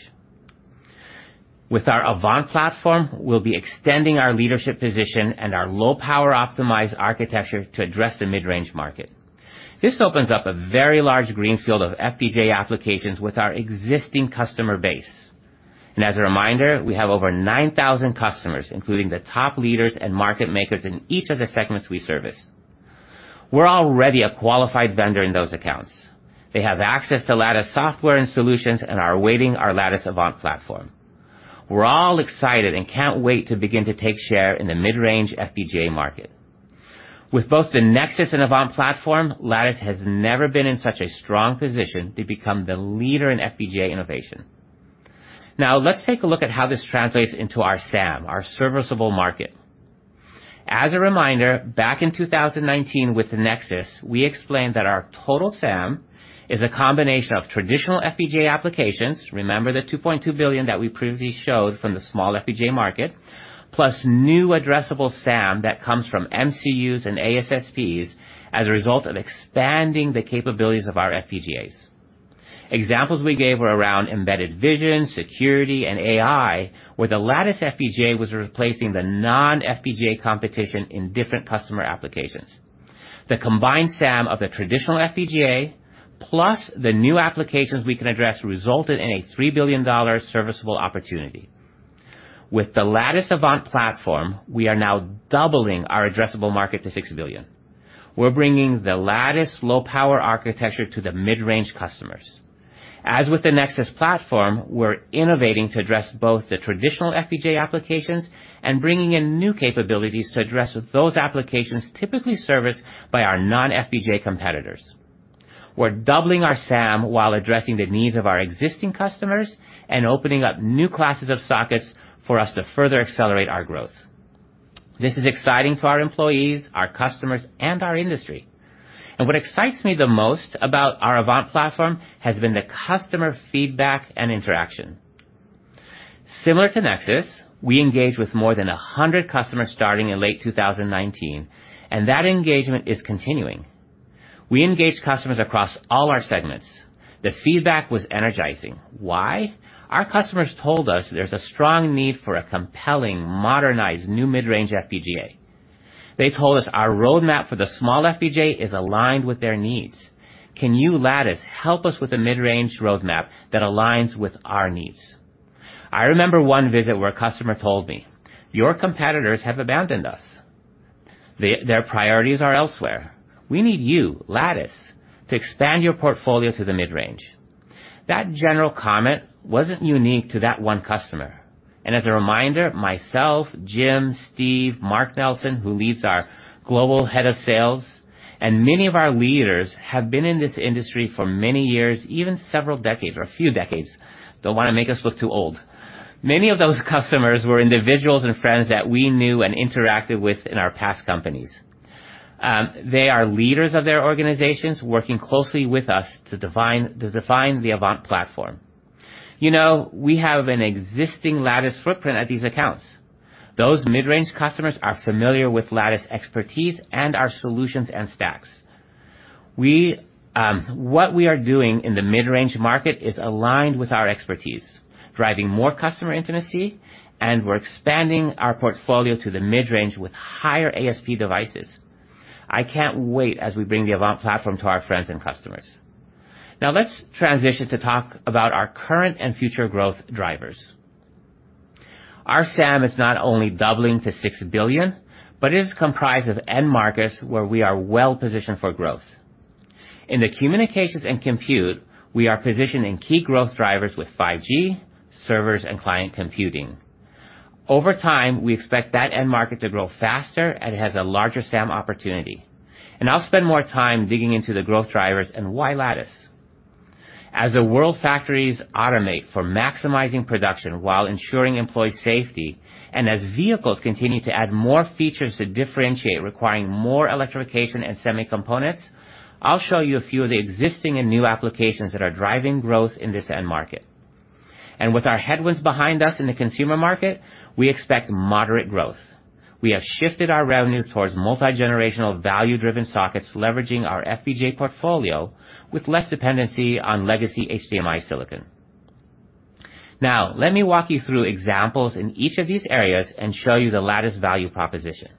Speaker 4: With our Lattice Avant platform, we'll be extending our leadership position and our low-power optimized architecture to address the mid-range market. This opens up a very large greenfield of FPGA applications with our existing customer base. As a reminder, we have over 9,000 customers, including the top leaders and market makers in each of the segments we service. We're already a qualified vendor in those accounts. They have access to Lattice software and solutions and are awaiting our Lattice Avant platform. We're all excited and can't wait to begin to take share in the mid-range FPGA market. With both the Nexus and Avant platform, Lattice has never been in such a strong position to become the leader in FPGA innovation. Let's take a look at how this translates into our SAM, our serviceable market. As a reminder, back in 2019 with the Nexus, we explained that our total SAM is a combination of traditional FPGA applications, remember the $2.2 billion that we previously showed from the small FPGA market, plus new addressable SAM that comes from MCUs and ASSPs as a result of expanding the capabilities of our FPGAs. Examples we gave were around embedded vision, security, and AI, where the Lattice FPGA was replacing the non-FPGA competition in different customer applications. The combined SAM of the traditional FPGA, plus the new applications we can address, resulted in a $3 billion serviceable opportunity. With the Lattice Avant platform, we are now doubling our addressable market to $6 billion. We're bringing the Lattice low-power architecture to the mid-range customers. As with the Nexus platform, we're innovating to address both the traditional FPGA applications and bringing in new capabilities to address those applications typically serviced by our non-FPGA competitors. We're doubling our SAM while addressing the needs of our existing customers and opening up new classes of sockets for us to further accelerate our growth. This is exciting to our employees, our customers, and our industry. What excites me the most about our Avant platform has been the customer feedback and interaction. Similar to Nexus, we engaged with more than 100 customers starting in late 2019, and that engagement is continuing. We engaged customers across all our segments. The feedback was energizing. Why? Our customers told us there's a strong need for a compelling, modernized new mid-range FPGA. They told us our roadmap for the small FPGA is aligned with their needs. Can you, Lattice, help us with a mid-range roadmap that aligns with our needs?" I remember one visit where a customer told me, "Your competitors have abandoned us. Their priorities are elsewhere. We need you, Lattice, to expand your portfolio to the mid-range." That general comment wasn't unique to that one customer. As a reminder, myself, Jim, Steve, Mark Nelson, who leads our global head of sales, and many of our leaders have been in this industry for many years, even several decades or a few decades. Don't want to make us look too old. Many of those customers were individuals and friends that we knew and interacted with in our past companies. They are leaders of their organizations, working closely with us to define the Avant platform. We have an existing Lattice footprint at these accounts. Those mid-range customers are familiar with Lattice expertise and our solutions and stacks. What we are doing in the mid-range market is aligned with our expertise, driving more customer intimacy, and we're expanding our portfolio to the mid-range with higher ASP devices. I can't wait as we bring the Avant platform to our friends and customers. Let's transition to talk about our current and future growth drivers. Our SAM is not only doubling to $6 billion, but is comprised of end markets where we are well-positioned for growth. In the communications and compute, we are positioned in key growth drivers with 5G servers and client computing. Over time, we expect that end market to grow faster, and it has a larger SAM opportunity. I'll spend more time digging into the growth drivers and why Lattice. As the world factories automate for maximizing production while ensuring employee safety, and as vehicles continue to add more features to differentiate, requiring more electrification and semi components, I'll show you a few of the existing and new applications that are driving growth in this end market. With our headwinds behind us in the consumer market, we expect moderate growth. We have shifted our revenues towards multi-generational, value-driven sockets, leveraging our FPGA portfolio with less dependency on legacy HDMI silicon. Let me walk you through examples in each of these areas and show you the Lattice value proposition.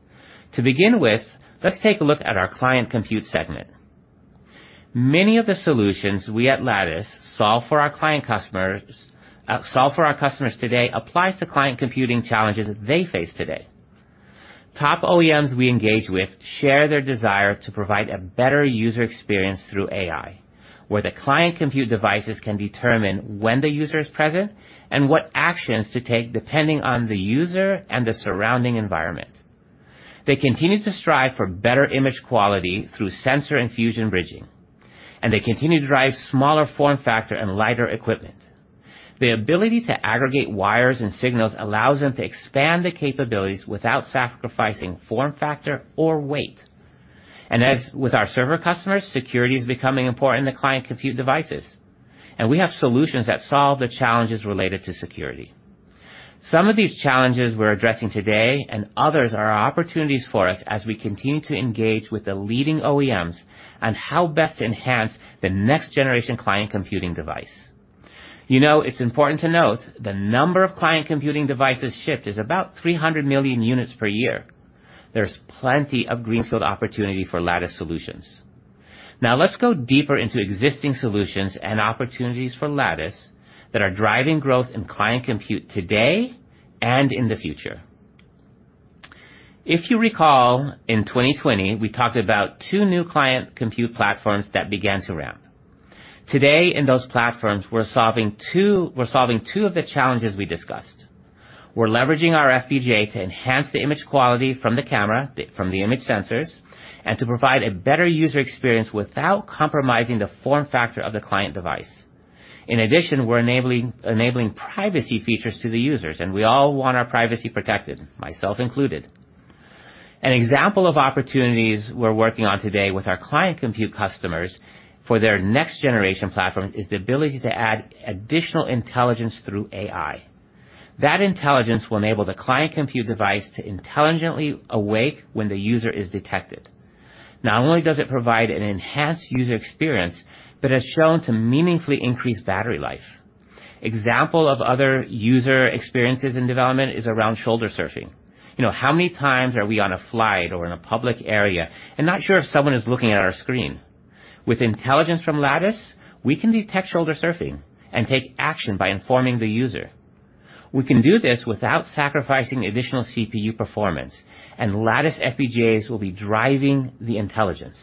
Speaker 4: To begin with, let's take a look at our client compute segment. Many of the solutions we at Lattice solve for our customers today applies to client computing challenges they face today. Top OEMs we engage with share their desire to provide a better user experience through AI, where the client compute devices can determine when the user is present and what actions to take depending on the user and the surrounding environment. They continue to strive for better image quality through sensor and fusion bridging, and they continue to drive smaller form factor and lighter equipment. The ability to aggregate wires and signals allows them to expand the capabilities without sacrificing form factor or weight. As with our server customers, security is becoming important to client compute devices, and we have solutions that solve the challenges related to security. Some of these challenges we're addressing today and others are opportunities for us as we continue to engage with the leading OEMs on how best to enhance the next-generation client computing device. It's important to note the number of client computing devices shipped is about 300 million units per year. There's plenty of greenfield opportunity for Lattice solutions. Now let's go deeper into existing solutions and opportunities for Lattice that are driving growth in client compute today and in the future. If you recall, in 2020, we talked about two new client compute platforms that began to ramp. Today, in those platforms, we're solving two of the challenges we discussed. We're leveraging our FPGA to enhance the image quality from the camera, from the image sensors, and to provide a better user experience without compromising the form factor of the client device. In addition, we're enabling privacy features to the users, and we all want our privacy protected, myself included. An example of opportunities we're working on today with our client compute customers for their next-generation platform is the ability to add additional intelligence through AI. That intelligence will enable the client compute device to intelligently awake when the user is detected. Not only does it provide an enhanced user experience, but has shown to meaningfully increase battery life. Example of other user experiences in development is around shoulder surfing. How many times are we on a flight or in a public area and not sure if someone is looking at our screen? With intelligence from Lattice, we can detect shoulder surfing and take action by informing the user. We can do this without sacrificing additional CPU performance, and Lattice FPGAs will be driving the intelligence.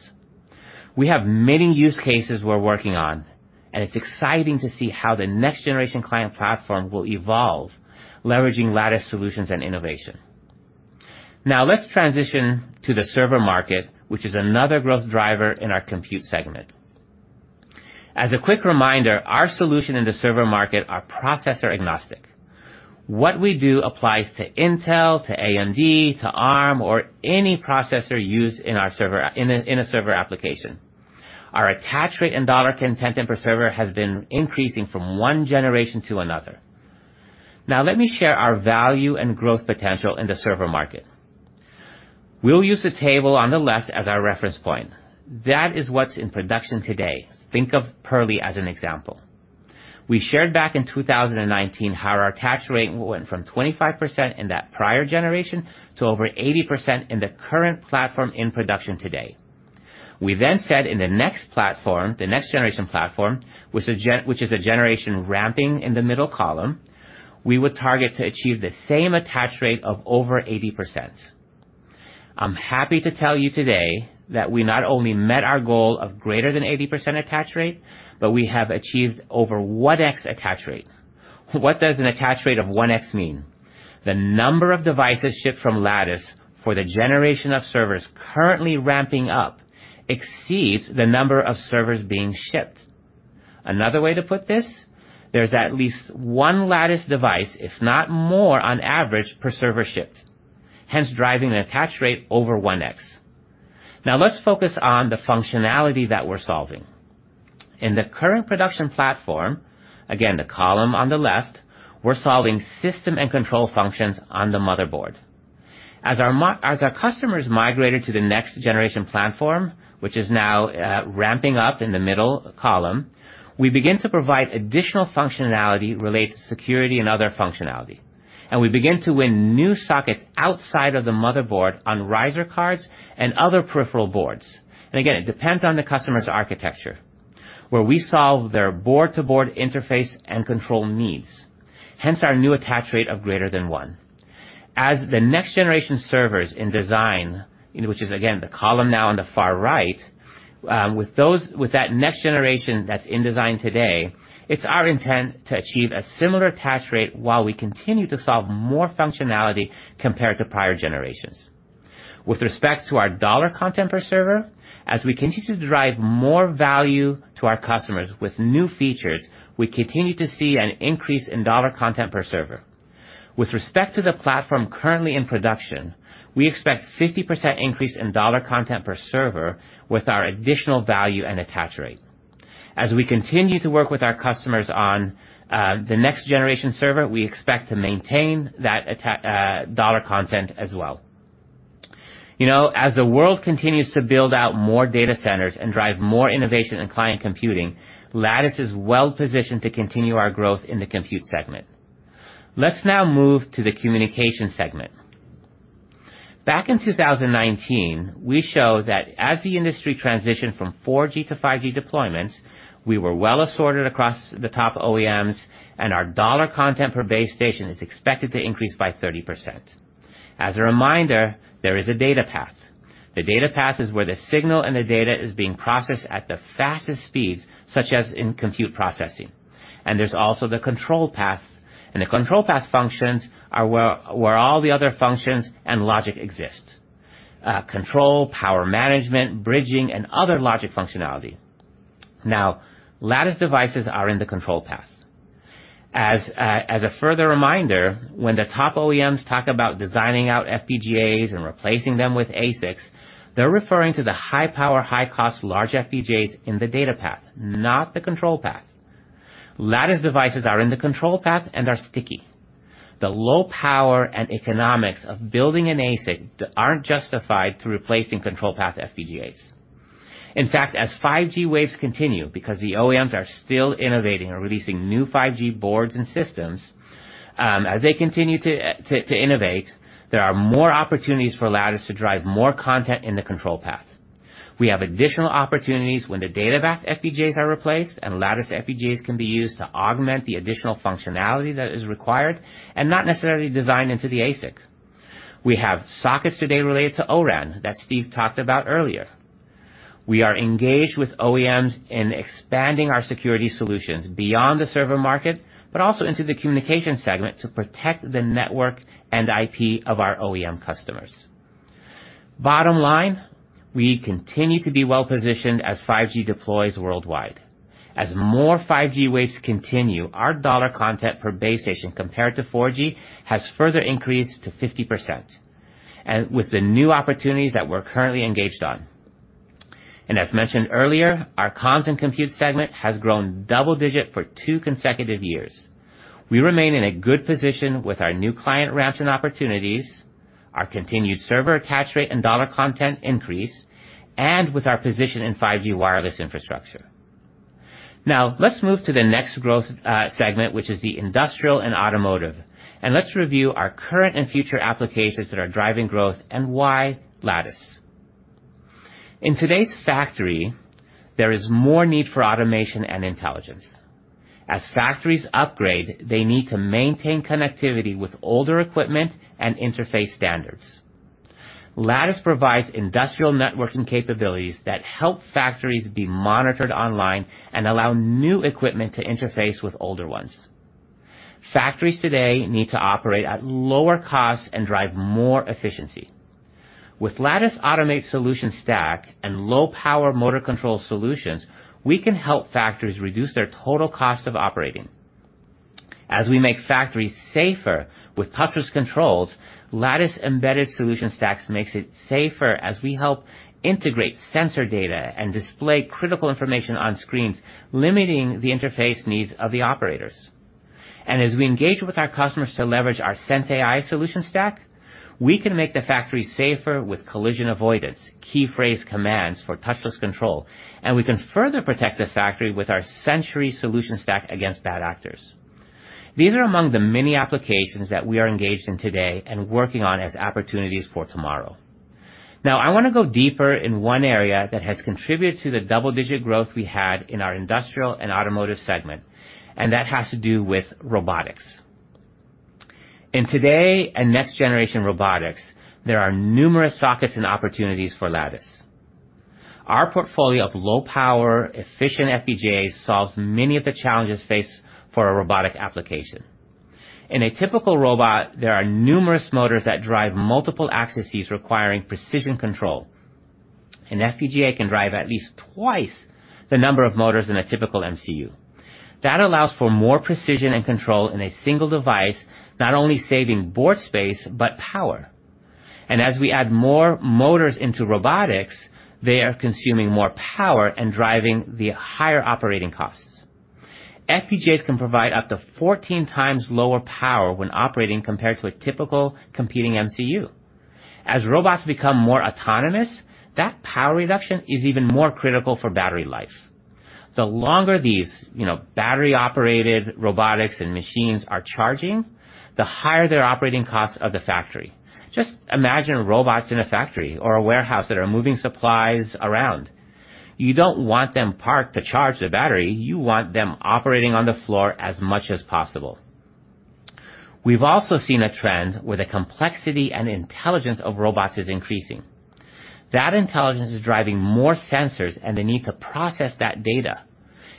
Speaker 4: We have many use cases we're working on, and it's exciting to see how the next-generation client platform will evolve, leveraging Lattice solutions and innovation. Now let's transition to the server market, which is another growth driver in our compute segment. As a quick reminder, our solution in the server market are processor-agnostic. What we do applies to Intel, to AMD, to Arm, or any processor used in a server application. Our attach rate and dollar content per server has been increasing from one generation to another. Now let me share our value and growth potential in the server market. We'll use the table on the left as our reference point. That is what's in production today. Think of Purley as an example. We shared back in 2019 how our attach rate went from 25% in that prior generation to over 80% in the current platform in production today. We said in the next platform, the next-generation platform, which is a generation ramping in the middle column, we would target to achieve the same attach rate of over 80%. I'm happy to tell you today that we not only met our goal of greater than 80% attach rate, but we have achieved over 1x attach rate. What does an attach rate of 1x mean? The number of devices shipped from Lattice for the generation of servers currently ramping up exceeds the number of servers being shipped. Another way to put this, there's at least one Lattice device, if not more on average, per server shipped, hence driving an attach rate over 1x. Let's focus on the functionality that we're solving. In the current production platform, again, the column on the left, we're solving system and control functions on the motherboard. Our customers migrated to the next-generation platform, which is now ramping up in the middle column, we begin to provide additional functionality related to security and other functionality. We begin to win new sockets outside of the motherboard on riser cards and other peripheral boards. Again, it depends on the customer's architecture, where we solve their board-to-board interface and control needs, hence our new attach rate of greater than 1x. The next-generation servers in design, which is again the column now on the far right, with that next-generation that's in design today, it's our intent to achieve a similar attach rate while we continue to solve more functionality compared to prior generations. With respect to our dollar content per server, as we continue to drive more value to our customers with new features, we continue to see an increase in dollar content per server. With respect to the platform currently in production, we expect 50% increase in dollar content per server with our additional value and attach rate. As we continue to work with our customers on the next-generation server, we expect to maintain that dollar content as well. As the world continues to build out more data centers and drive more innovation in client computing, Lattice is well positioned to continue our growth in the compute segment. Let's now move to the communication segment. Back in 2019, we show that as the industry transitioned from 4G to 5G deployments, we were well assorted across the top OEMs, and our dollar content per base station is expected to increase by 30%. As a reminder, there is a data path. The data path is where the signal and the data is being processed at the fastest speeds, such as in compute processing. There's also the control path. The control path functions are where all the other functions and logic exist, control, power management, bridging, and other logic functionality. Now, Lattice devices are in the control path. As a further reminder, when the top OEMs talk about designing out FPGAs and replacing them with ASICs, they're referring to the high power, high cost, large FPGAs in the data path, not the control path. Lattice devices are in the control path and are sticky. The low power and economics of building an ASIC aren't justified to replacing control path FPGAs. In fact, as 5G waves continue, because the OEMs are still innovating or releasing new 5G boards and systems, as they continue to innovate, there are more opportunities for Lattice to drive more content in the control path. We have additional opportunities when the data path FPGAs are replaced and Lattice FPGAs can be used to augment the additional functionality that is required and not necessarily designed into the ASIC. We have sockets today related to O-RAN that Steve talked about earlier. We are engaged with OEMs in expanding our security solutions beyond the server market, but also into the communication segment to protect the network and IP of our OEM customers. Bottom line, we continue to be well-positioned as 5G deploys worldwide. As more 5G waves continue, our dollar content per base station compared to 4G has further increased to 50% with the new opportunities that we're currently engaged on. As mentioned earlier, our comms and compute segment has grown double-digit for two consecutive years. We remain in a good position with our new client ramps and opportunities, our continued server attach rate and dollar content increase, and with our position in 5G wireless infrastructure. Let's move to the next growth segment, which is the Industrial and Automotive, and let's review our current and future applications that are driving growth and why Lattice. In today's factory, there is more need for automation and intelligence. As factories upgrade, they need to maintain connectivity with older equipment and interface standards. Lattice provides industrial networking capabilities that help factories be monitored online and allow new equipment to interface with older ones. Factories today need to operate at lower costs and drive more efficiency. With Lattice Automate solution stack and low-power motor control solutions, we can help factories reduce their total cost of operating. As we make factories safer with touchless controls, Lattice embedded solution stacks makes it safer as we help integrate sensor data and display critical information on screens, limiting the interface needs of the operators. As we engage with our customers to leverage our Lattice sensAI solution stack, we can make the factory safer with collision avoidance, key phrase commands for touchless control, and we can further protect the factory with our Sentry solution stack against bad actors. These are among the many applications that we are engaged in today and working on as opportunities for tomorrow. I want to go deeper in one area that has contributed to the double-digit growth we had in our Industrial and Automotive segment, and that has to do with robotics. In today and next-generation robotics, there are numerous sockets and opportunities for Lattice. Our portfolio of low-power efficient FPGA solves many of the challenges faced for a robotic application. In a typical robot, there are numerous motors that drive multiple axes requiring precision control. An FPGA can drive at least twice the number of motors in a typical MCU. That allows for more precision and control in a single device, not only saving board space, but power. As we add more motors into robotics, they are consuming more power and driving the higher operating costs. FPGAs can provide up to 14x lower power when operating compared to a typical computing MCU. As robots become more autonomous, that power reduction is even more critical for battery life. The longer these battery-operated robotics and machines are charging, the higher their operating costs of the factory. Just imagine robots in a factory or a warehouse that are moving supplies around. You don't want them parked to charge the battery. You want them operating on the floor as much as possible. We've also seen a trend where the complexity and intelligence of robots is increasing. That intelligence is driving more sensors and the need to process that data.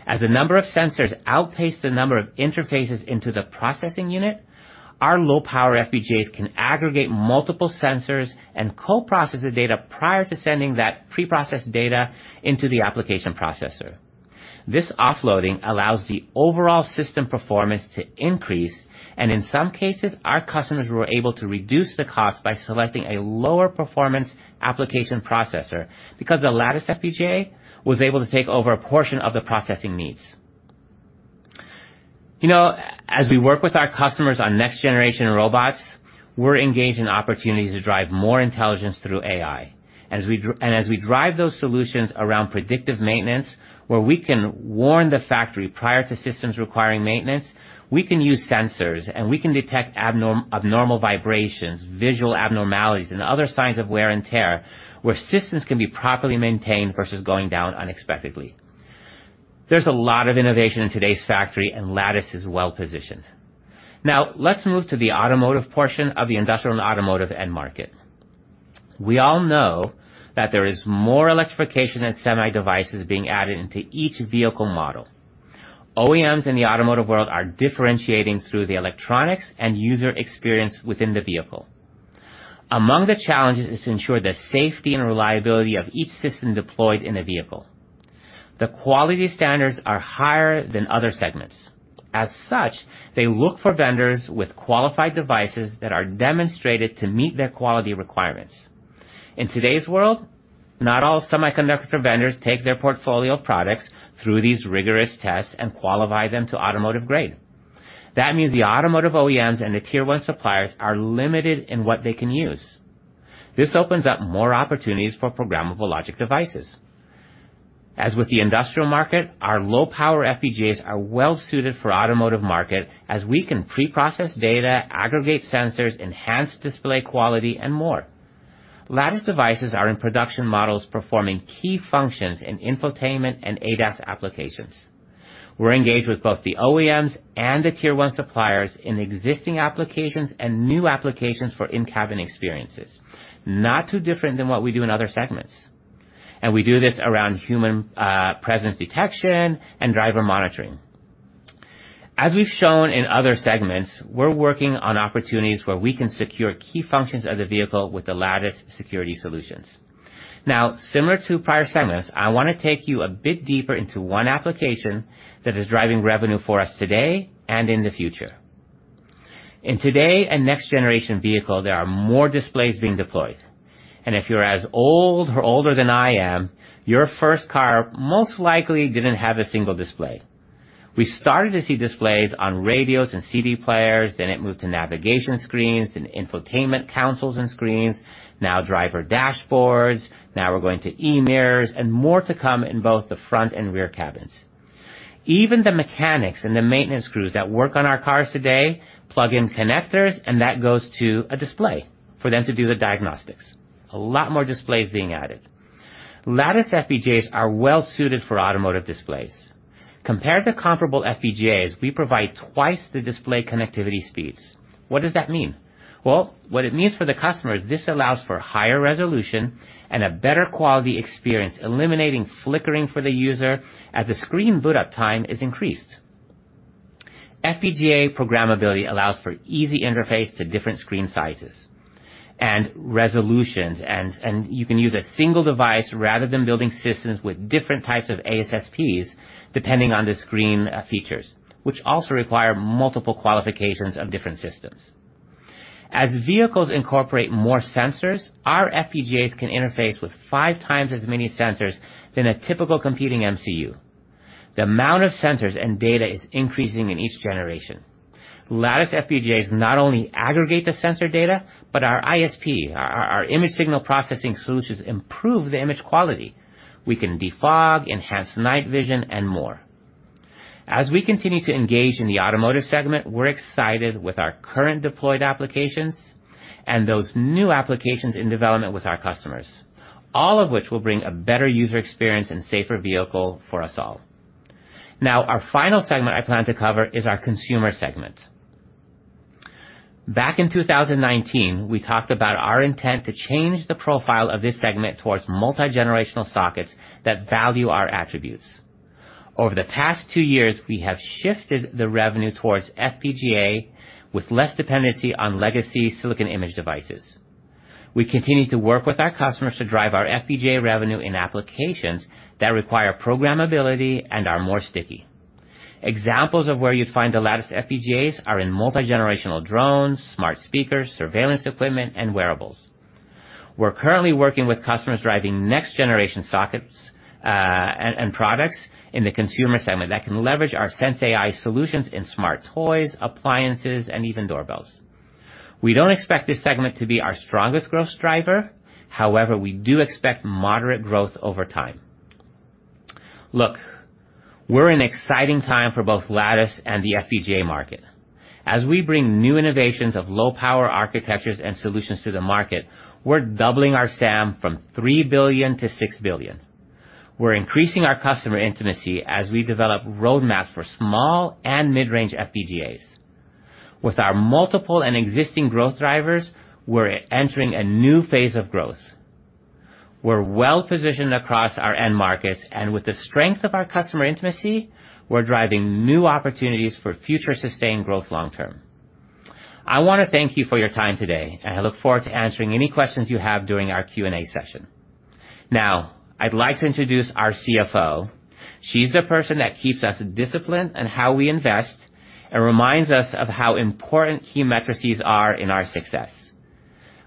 Speaker 4: As the number of sensors outpace the number of interfaces into the processing unit, our low-power FPGAs can aggregate multiple sensors and co-process the data prior to sending that preprocessed data into the application processor. This offloading allows the overall system performance to increase, and in some cases, our customers were able to reduce the cost by selecting a lower performance application processor because the Lattice FPGA was able to take over a portion of the processing needs. As we work with our customers on next-generation robots, we're engaged in opportunities to drive more intelligence through AI. As we drive those solutions around predictive maintenance where we can warn the factory prior to systems requiring maintenance, we can use sensors and we can detect abnormal vibrations, visual abnormalities, and other signs of wear and tear where systems can be properly maintained versus going down unexpectedly. There's a lot of innovation in today's factory, and Lattice is well-positioned. Now, let's move to the automotive portion of the Industrial and Automotive end market. We all know that there is more electrification and semi devices being added into each vehicle model. OEMs in the automotive world are differentiating through the electronics and user experience within the vehicle. Among the challenges is to ensure the safety and reliability of each system deployed in a vehicle. The quality standards are higher than other segments. As such, they look for vendors with qualified devices that are demonstrated to meet their quality requirements. In today's world, not all semiconductor vendors take their portfolio of products through these rigorous tests and qualify them to automotive grade. That means the automotive OEMs and the tier one suppliers are limited in what they can use. This opens up more opportunities for programmable logic devices. As with the industrial market, our low-power FPGAs are well suited for automotive market as we can pre-process data, aggregate sensors, enhance display quality, and more. Lattice devices are in production models performing key functions in infotainment and ADAS applications. We're engaged with both the OEMs and the tier one suppliers in existing applications and new applications for in-cabin experiences, not too different than what we do in other segments. We do this around Human Presence Detection and Driver Monitoring. As we've shown in other segments, we're working on opportunities where we can secure key functions of the vehicle with the Lattice security solutions. Similar to prior segments, I want to take you a bit deeper into one application that is driving revenue for us today and in the future. In today and next-generation vehicle, there are more displays being deployed. If you're as old or older than I am, your first car most likely didn't have a single display. We started to see displays on radios and CD players, then it moved to navigation screens, then infotainment consoles and screens, now driver dashboards. We're going to e-mirrors and more to come in both the front and rear cabins. Even the mechanics and the maintenance crews that work on our cars today plug in connectors, that goes to a display for them to do the diagnostics. A lot more displays being added. Lattice FPGAs are well-suited for automotive displays. Compared to comparable FPGAs, we provide twice the display connectivity speeds. What does that mean? Well, what it means for the customer is this allows for higher resolution and a better quality experience, eliminating flickering for the user as the screen boot-up time is increased. FPGA programmability allows for easy interface to different screen sizes and resolutions, and you can use a single device rather than building systems with different types of ASSPs depending on the screen features, which also require multiple qualifications of different systems. As vehicles incorporate more sensors, our FPGAs can interface with 5x as many sensors than a typical computing MCU. The amount of sensors and data is increasing in each generation. Lattice FPGAs not only aggregate the sensor data, but our ISP, our Image Signal Processing solutions, improve the image quality. We can defog, enhance night vision, and more. As we continue to engage in the automotive segment, we're excited with our current deployed applications and those new applications in development with our customers, all of which will bring a better user experience and safer vehicle for us all. Our final segment I plan to cover is our consumer segment. Back in 2019, we talked about our intent to change the profile of this segment towards multi-generational sockets that value our attributes. Over the past two years, we have shifted the revenue towards FPGA with less dependency on legacy Silicon Image devices. We continue to work with our customers to drive our FPGA revenue in applications that require programmability and are more sticky. Examples of where you'd find the Lattice FPGAs are in multi-generational drones, smart speakers, surveillance equipment, and wearables. We're currently working with customers driving next-generation sockets and products in the consumer segment that can leverage our Lattice sensAI solutions in smart toys, appliances, and even doorbells. We don't expect this segment to be our strongest growth driver. We do expect moderate growth over time. Look, we're in an exciting time for both Lattice and the FPGA market. As we bring new innovations of low-power architectures and solutions to the market, we're doubling our SAM from $3 billion-$6 billion. We're increasing our customer intimacy as we develop roadmaps for small and mid-range FPGAs. With our multiple and existing growth drivers, we're entering a new phase of growth. We're well-positioned across our end markets, and with the strength of our customer intimacy, we're driving new opportunities for future sustained growth long term. I want to thank you for your time today, and I look forward to answering any questions you have during our Q&A session. Now, I'd like to introduce our CFO. She's the person that keeps us disciplined in how we invest and reminds us of how important key metrics are in our success.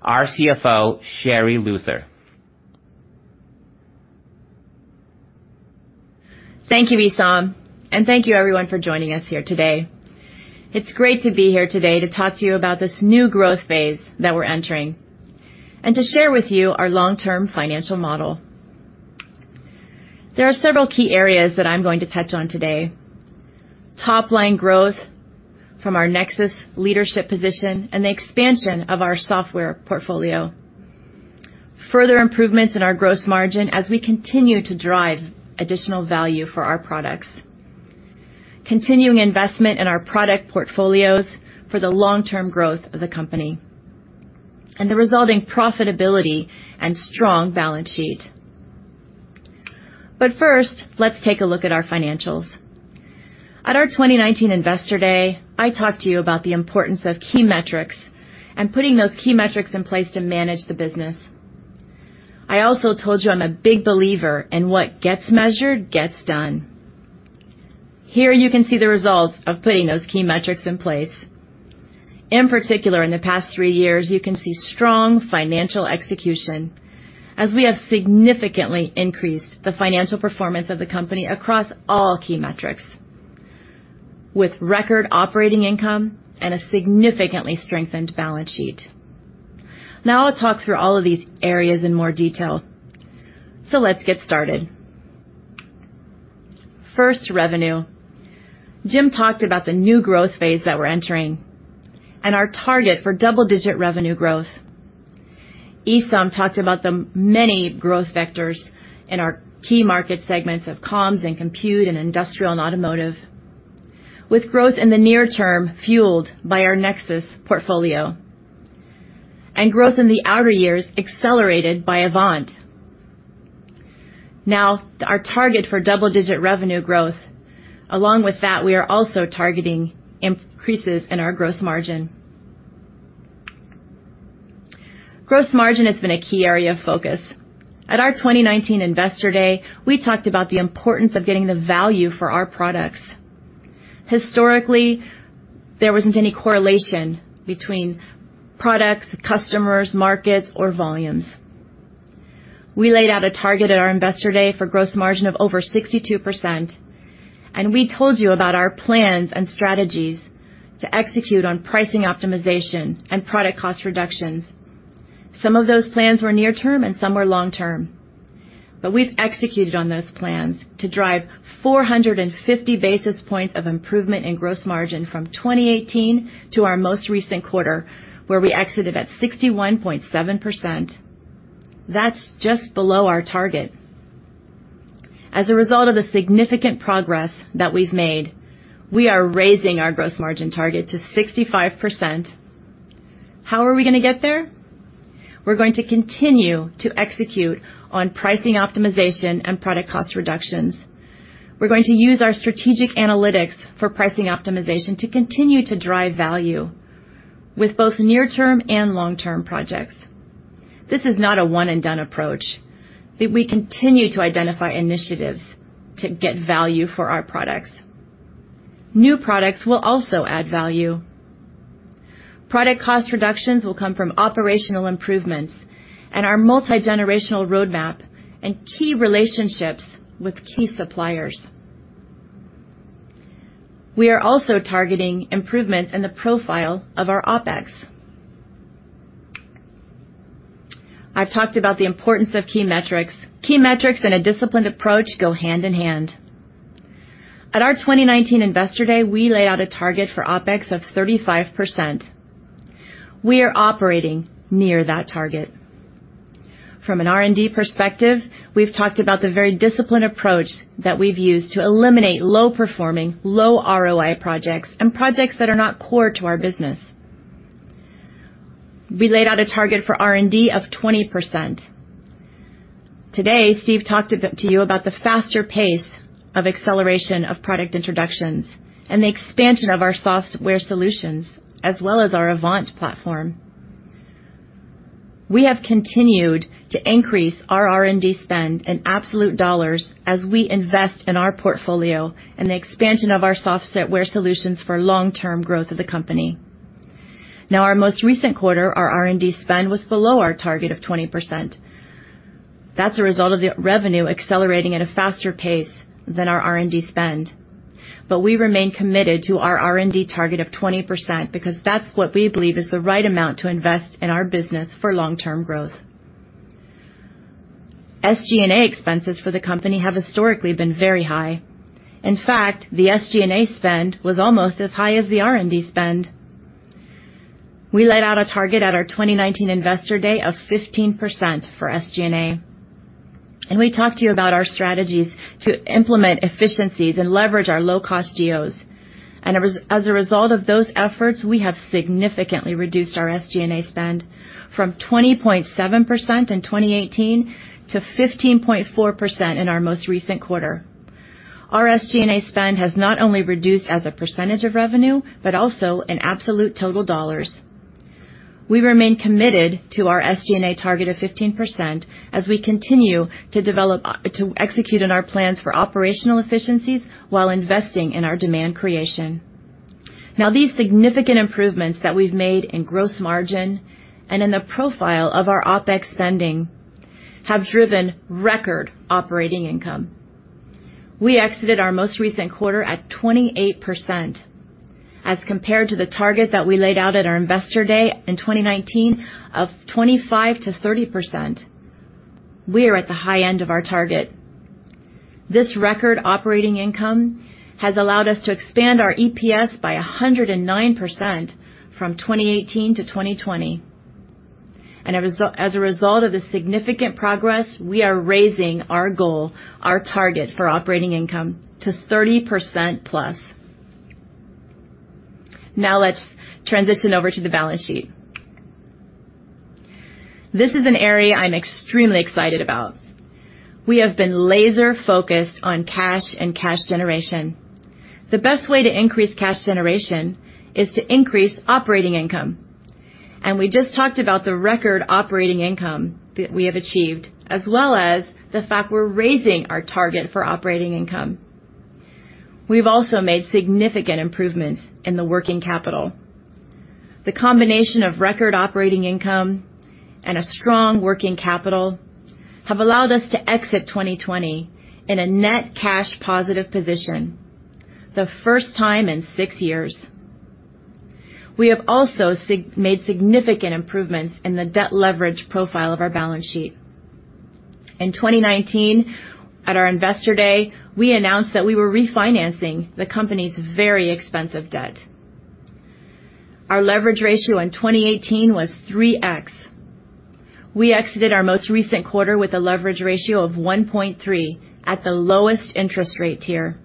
Speaker 4: Our CFO, Sherri Luther.
Speaker 5: Thank you, Esam, and thank you everyone for joining us here today. It's great to be here today to talk to you about this new growth phase that we're entering and to share with you our long-term financial model. There are several key areas that I'm going to touch on today. Top-line growth from our Nexus leadership position and the expansion of our software portfolio, further improvements in our gross margin as we continue to drive additional value for our products, continuing investment in our product portfolios for the long-term growth of the company, and the resulting profitability and strong balance sheet. First, let's take a look at our financials. At our 2019 Investor Day, I talked to you about the importance of key metrics and putting those key metrics in place to manage the business. I also told you I'm a big believer in what gets measured gets done. Here you can see the results of putting those key metrics in place. In particular, in the past three years, you can see strong financial execution as we have significantly increased the financial performance of the company across all key metrics with record operating income and a significantly strengthened balance sheet. I'll talk through all of these areas in more detail. Let's get started. First, revenue. Jim talked about the new growth phase that we're entering and our target for double-digit revenue growth. Esam talked about the many growth vectors in our key market segments of comms and compute and Industrial and Automotive, with growth in the near term fueled by our Nexus portfolio and growth in the outer years accelerated by Avant. Our target for double-digit revenue growth. Along with that, we are also targeting increases in our gross margin. Gross margin has been a key area of focus. At our 2019 Investor Day, we talked about the importance of getting the value for our products. Historically, there wasn't any correlation between products, customers, markets, or volumes. We laid out a target at our Investor Day for gross margin of over 62%, and we told you about our plans and strategies to execute on pricing optimization and product cost reductions. Some of those plans were near term and some were long term. We've executed on those plans to drive 450 basis points of improvement in gross margin from 2018 to our most recent quarter, where we exited at 61.7%. That's just below our target. As a result of the significant progress that we've made, we are raising our gross margin target to 65%. How are we going to get there? We're going to continue to execute on pricing optimization and product cost reductions. We're going to use our strategic analytics for pricing optimization to continue to drive value with both near-term and long-term projects. This is not a one-and-done approach, that we continue to identify initiatives to get value for our products. New products will also add value. Product cost reductions will come from operational improvements and our multi-generational roadmap and key relationships with key suppliers. We are also targeting improvements in the profile of our OpEx. I've talked about the importance of key metrics. Key metrics and a disciplined approach go hand in hand. At our 2019 Investor Day, we laid out a target for OpEx of 35%. We are operating near that target. From an R&D perspective, we've talked about the very disciplined approach that we've used to eliminate low-performing, low ROI projects and projects that are not core to our business. We laid out a target for R&D of 20%. Today, Steve talked to you about the faster pace of acceleration of product introductions and the expansion of our software solutions, as well as our Avant platform. We have continued to increase our R&D spend in absolute dollars as we invest in our portfolio and the expansion of our software solutions for long-term growth of the company. Our most recent quarter, our R&D spend was below our target of 20%. That's a result of the revenue accelerating at a faster pace than our R&D spend. We remain committed to our R&D target of 20% because that's what we believe is the right amount to invest in our business for long-term growth. SG&A expenses for the company have historically been very high. In fact, the SG&A spend was almost as high as the R&D spend. We laid out a target at our 2019 Investor Day of 15% for SG&A. We talked to you about our strategies to implement efficiencies and leverage our low-cost geos. As a result of those efforts, we have significantly reduced our SG&A spend from 20.7% in 2018 to 15.4% in our most recent quarter. Our SG&A spend has not only reduced as a percentage of revenue, but also in absolute total dollars. We remain committed to our SG&A target of 15% as we continue to execute on our plans for operational efficiencies while investing in our demand creation. These significant improvements that we've made in gross margin and in the profile of our OpEx spending have driven record operating income. We exited our most recent quarter at 28%, as compared to the target that we laid out at our Investor Day in 2019 of 25%-30%. We are at the high end of our target. This record operating income has allowed us to expand our EPS by 109% from 2018 to 2020. As a result of the significant progress, we are raising our goal, our target for operating income to 30%+. Let's transition over to the balance sheet. This is an area I'm extremely excited about. We have been laser-focused on cash and cash generation. The best way to increase cash generation is to increase operating income. We just talked about the record operating income that we have achieved, as well as the fact we're raising our target for operating income. We've also made significant improvements in the working capital. The combination of record operating income and a strong working capital have allowed us to exit 2020 in a net cash positive position, the first time in six years. We have also made significant improvements in the debt leverage profile of our balance sheet. In 2019, at our Investor Day, we announced that we were refinancing the company's very expensive debt. Our leverage ratio in 2018 was 3x. We exited our most recent quarter with a leverage ratio of 1.3x at the lowest interest rate tier.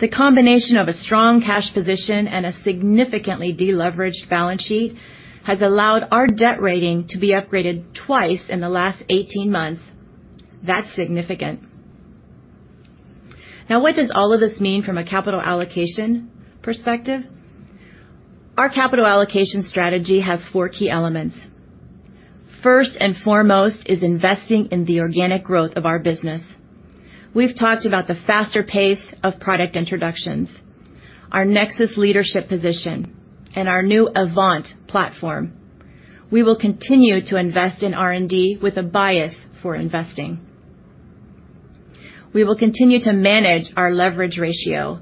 Speaker 5: The combination of a strong cash position and a significantly de-leveraged balance sheet has allowed our debt rating to be upgraded twice in the last 18 months. That's significant. What does all of this mean from a capital allocation perspective? Our capital allocation strategy has four key elements. First and foremost is investing in the organic growth of our business. We've talked about the faster pace of product introductions, our Nexus leadership position, and our new Avant platform. We will continue to invest in R&D with a bias for investing. We will continue to manage our leverage ratio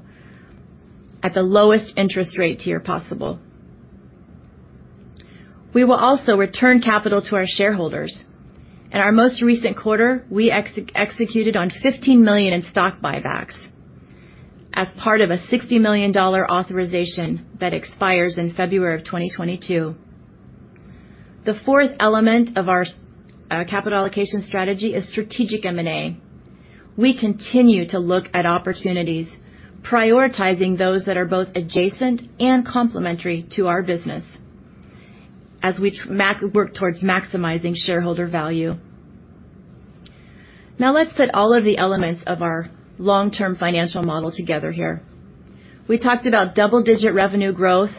Speaker 5: at the lowest interest rate tier possible. We will also return capital to our shareholders. In our most recent quarter, we executed on $15 million in stock buybacks as part of a $60 million authorization that expires in February of 2022. The fourth element of our capital allocation strategy is strategic M&A. We continue to look at opportunities, prioritizing those that are both adjacent and complementary to our business as we work towards maximizing shareholder value. Now let's put all of the elements of our long-term financial model together here. We talked about double-digit revenue growth,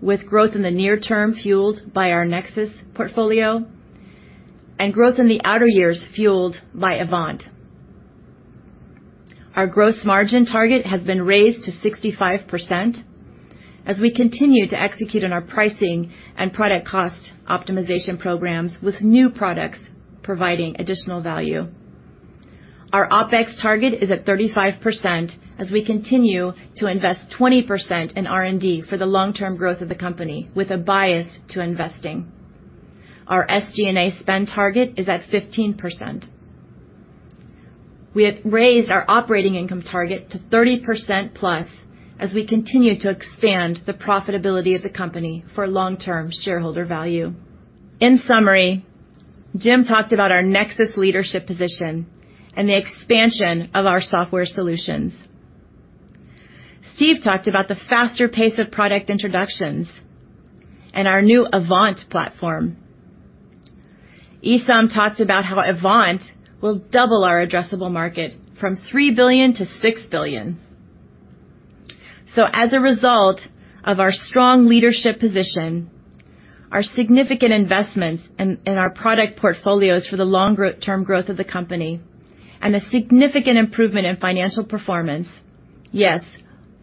Speaker 5: with growth in the near term fueled by our Nexus portfolio and growth in the outer years fueled by Avant. Our gross margin target has been raised to 65% as we continue to execute on our pricing and product cost optimization programs, with new products providing additional value. Our OpEx target is at 35% as we continue to invest 20% in R&D for the long-term growth of the company with a bias to investing. Our SG&A spend target is at 15%. We have raised our operating income target to 30%+ as we continue to expand the profitability of the company for long-term shareholder value. In summary, Jim talked about our Nexus leadership position and the expansion of our software solutions. Steve talked about the faster pace of product introductions and our new Avant platform. Esam talked about how Avant will double our addressable market from $3 billion to $6 billion. As a result of our strong leadership position, our significant investments in our product portfolios for the long-term growth of the company, and a significant improvement in financial performance, yes,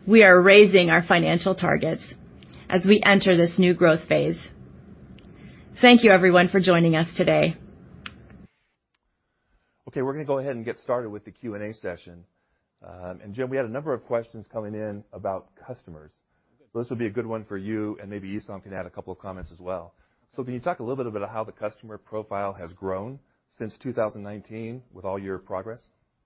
Speaker 5: we are raising our financial targets as we enter this new growth phase. Thank you everyone for joining us today.
Speaker 1: Okay, we're going to go ahead and get started with the Q&A session. Jim, we had a number of questions coming in about customers. This will be a good one for you, and maybe Esam can add a couple of comments as well. Can you talk a little bit about how the customer profile has grown since 2019 with all your progress?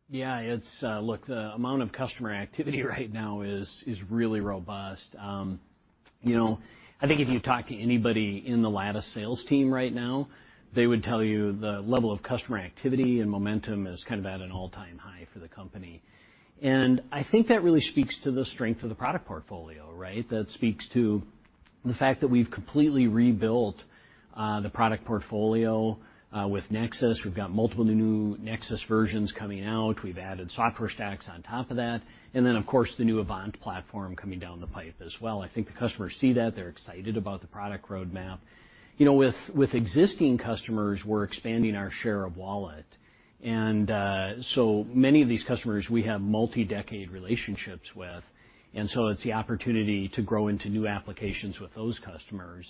Speaker 2: Yeah. Look, the amount of customer activity right now is really robust. I think if you talk to anybody in the Lattice sales team right now, they would tell you the level of customer activity and momentum is at an all-time high for the company. I think that really speaks to the strength of the product portfolio, right? That speaks to the fact that we've completely rebuilt the product portfolio with Nexus. We've got multiple new Nexus versions coming out. We've added software stacks on top of that. Of course, the new Avant platform coming down the pipe as well. I think the customers see that. They're excited about the product roadmap. With existing customers, we're expanding our share of wallet. Many of these customers, we have multi-decade relationships with, and so it's the opportunity to grow into new applications with those customers.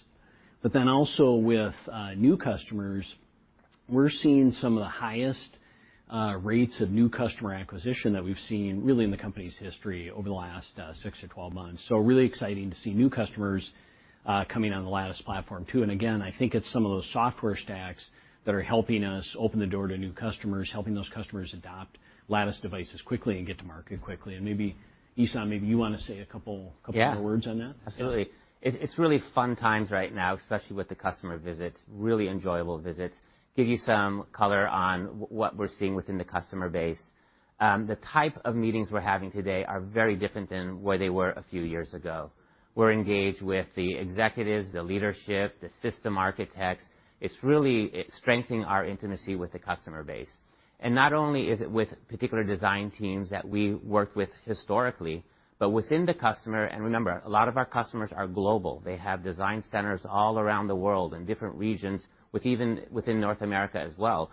Speaker 2: Also with new customers, we're seeing some of the highest rates of new customer acquisition that we've seen really in the company's history over the last 6-12 months. Really exciting to see new customers coming on the Lattice platform, too. Again, I think it's some of those software stacks that are helping us open the door to new customers, helping those customers adopt Lattice devices quickly and get to market quickly. Esam, maybe you want to say a couple more words on that.
Speaker 4: Yeah. Absolutely. It's really fun times right now, especially with the customer visits, really enjoyable visits. Give you some color on what we're seeing within the customer base. The type of meetings we're having today are very different than where they were a few years ago. We're engaged with the executives, the leadership, the system architects. It's really strengthening our intimacy with the customer base. Not only is it with particular design teams that we worked with historically, but within the customer, and remember, a lot of our customers are global. They have design centers all around the world in different regions, with even within North America as well.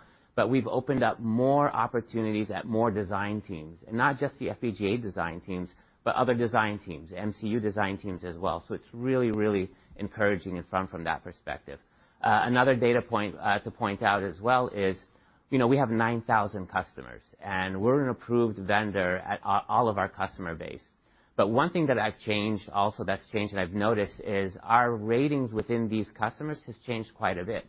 Speaker 4: We've opened up more opportunities at more design teams. Not just the FPGA design teams, but other design teams, MCU design teams as well. It's really encouraging and fun from that perspective. Another data point to point out as well is we have 9,000 customers, and we're an approved vendor at all of our customer base. One thing that I've changed also that's changed and I've noticed is our ratings within these customers has changed quite a bit.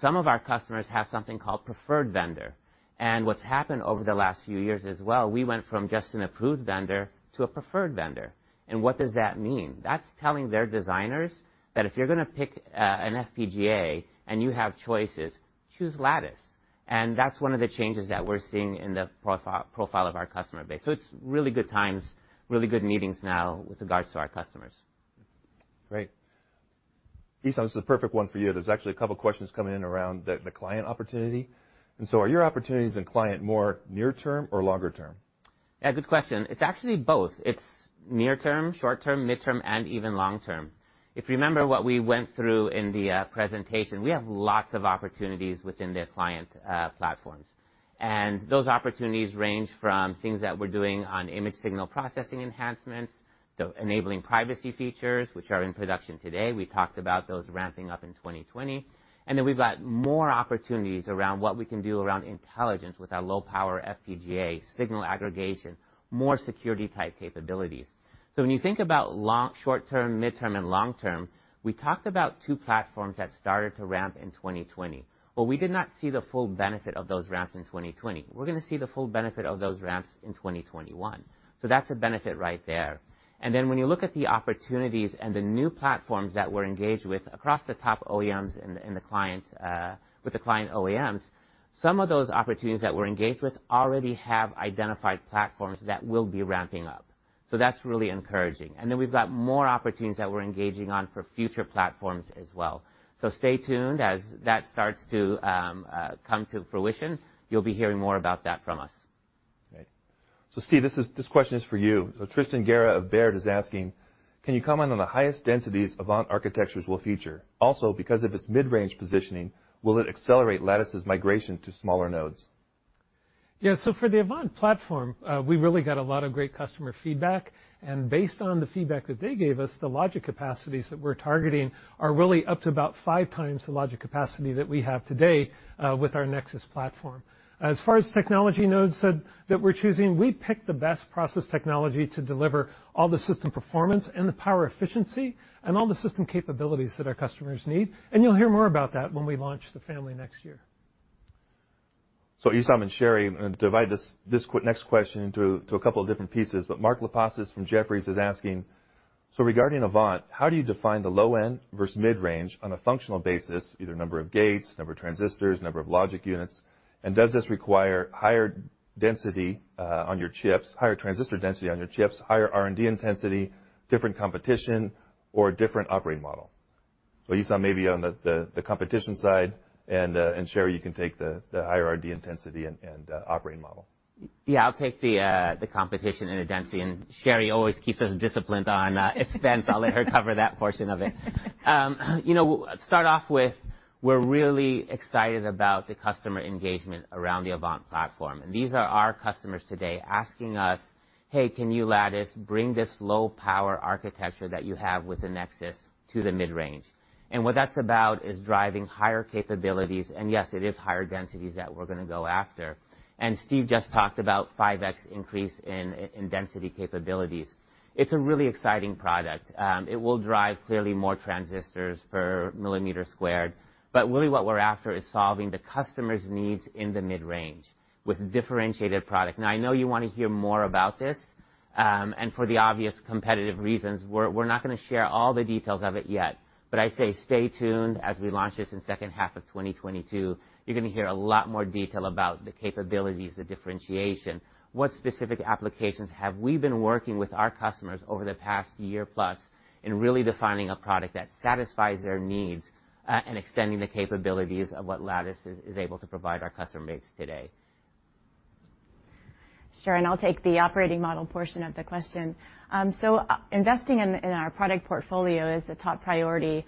Speaker 4: Some of our customers have something called preferred vendor. What's happened over the last few years as well, we went from just an approved vendor to a preferred vendor. What does that mean? That's telling their designers that if you're going to pick an FPGA and you have choices, choose Lattice. That's one of the changes that we're seeing in the profile of our customer base. It's really good times, really good meetings now with regards to our customers.
Speaker 1: Great. Esam, this is the perfect one for you. There's actually a couple of questions coming in around the client opportunity. Are your opportunities in client more near term or longer term?
Speaker 4: Yeah, good question. It's actually both. It's near-term, short-term, midterm, and even long-term. If you remember what we went through in the presentation, we have lots of opportunities within the client platforms. Those opportunities range from things that we're doing on image signal processing enhancements to enabling privacy features, which are in production today. We talked about those ramping up in 2020. We've got more opportunities around what we can do around intelligence with our low power FPGA signal aggregation, more security-type capabilities. When you think about short-term, midterm, and long-term, we talked about two platforms that started to ramp in 2020, but we did not see the full benefit of those ramps in 2020. We're going to see the full benefit of those ramps in 2021, so that's a benefit right there. When you look at the opportunities and the new platforms that we're engaged with across the top OEMs and with the client OEMs, some of those opportunities that we're engaged with already have identified platforms that will be ramping up. That's really encouraging. We've got more opportunities that we're engaging on for future platforms as well. Stay tuned as that starts to come to fruition. You'll be hearing more about that from us.
Speaker 1: Great. Steve, this question is for you. Tristan Gerra of Baird is asking, "Can you comment on the highest densities Avant architectures will feature? Also, because of its mid-range positioning, will it accelerate Lattice's migration to smaller nodes?
Speaker 3: For the Avant platform, we've really got a lot of great customer feedback, and based on the feedback that they gave us, the logic capacities that we're targeting are really up to about 5x the logic capacity that we have today with our Nexus platform. As far as technology nodes that we're choosing, we pick the best process technology to deliver all the system performance and the power efficiency and all the system capabilities that our customers need. You'll hear more about that when we launch the family next year.
Speaker 1: Esam and Sherri, I'm going to divide this next question into a couple of different pieces, but Mark Lipacis from Jefferies is asking, "Regarding Avant, how do you define the low end versus mid-range on a functional basis, either number of gates, number of transistors, number of logic units, and does this require higher transistor density on your chips, higher R&D intensity, different competition, or a different operating model?" Esam, maybe on the competition side, and Sherri, you can take the higher R&D intensity and operating model.
Speaker 4: Yeah, I'll take the competition and the density, Sherri always keeps us disciplined on expense. I'll let her cover that portion of it. Start off with we're really excited about the customer engagement around the Avant platform. These are our customers today asking us, "Hey, can you, Lattice, bring this low-power architecture that you have with the Nexus to the mid-range?" What that's about is driving higher capabilities, and yes, it is higher densities that we're going to go after. Steve just talked about 5x increase in density capabilities. It's a really exciting product. It will drive clearly more transistors per millimeter squared. Really what we're after is solving the customer's needs in the mid-range with differentiated product. Now, I know you want to hear more about this, and for the obvious competitive reasons, we're not going to share all the details of it yet. I say stay tuned as we launch this in second half of 2022. You're going to hear a lot more detail about the capabilities, the differentiation, what specific applications have we been working with our customers over the past year plus in really defining a product that satisfies their needs, and extending the capabilities of what Lattice is able to provide our customer base today.
Speaker 5: Sure. I'll take the operating model portion of the question. Investing in our product portfolio is a top priority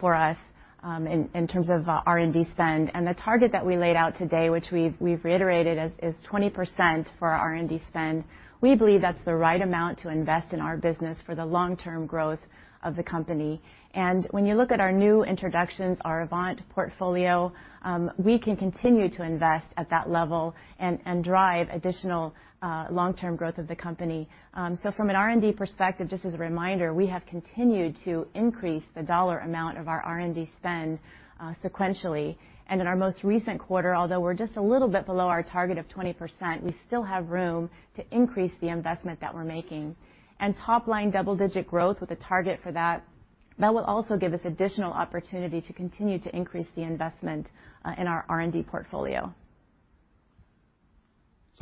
Speaker 5: for us in terms of R&D spend. The target that we laid out today, which we've reiterated, is 20% for our R&D spend. We believe that's the right amount to invest in our business for the long-term growth of the company. When you look at our new introductions, our Avant portfolio, we can continue to invest at that level and drive additional long-term growth of the company. From an R&D perspective, just as a reminder, we have continued to increase the dollar amount of our R&D spend sequentially. In our most recent quarter, although we're just a little bit below our target of 20%, we still have room to increase the investment that we're making. Top line double-digit growth with a target for that will also give us additional opportunity to continue to increase the investment in our R&D portfolio.